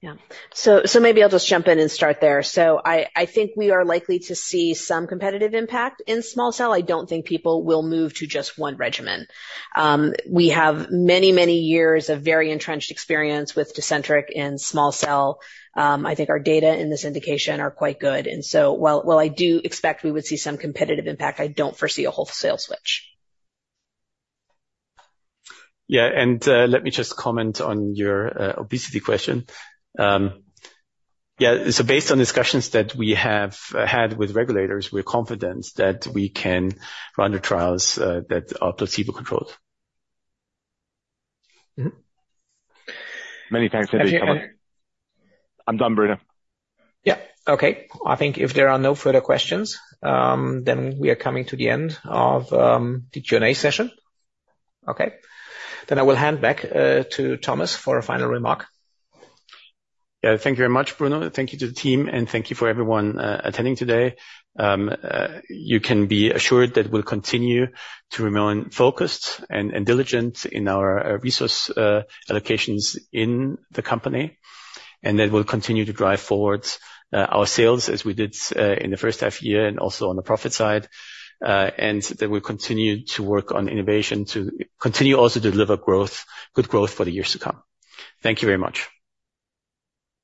Yeah. So maybe I'll just jump in and start there. So I think we are likely to see some competitive impact in small cell. I don't think people will move to just one regimen. We have many, many years of very entrenched experience with Tecentriq and small cell. I think our data in this indication are quite good. And so while I do expect we would see some competitive impact, I don't foresee a wholesale switch. Yeah. And let me just comment on your obesity question. Yeah. So based on discussions that we have had with regulators, we're confident that we can run the trials that are placebo-controlled. Many thanks for coming. I'm done, Bruno. Yeah. Okay. I think if there are no further questions, then we are coming to the end of the Q&A session. Okay. Then I will hand back to Thomas for a final remark. Yeah. Thank you very much, Bruno. Thank you to the team, and thank you to everyone attending today. You can be assured that we'll continue to remain focused and diligent in our resource allocations in the company, and that we'll continue to drive forward our sales as we did in the first half year and also on the profit side. That we'll continue to work on innovation to continue also to deliver good growth for the years to come. Thank you very much.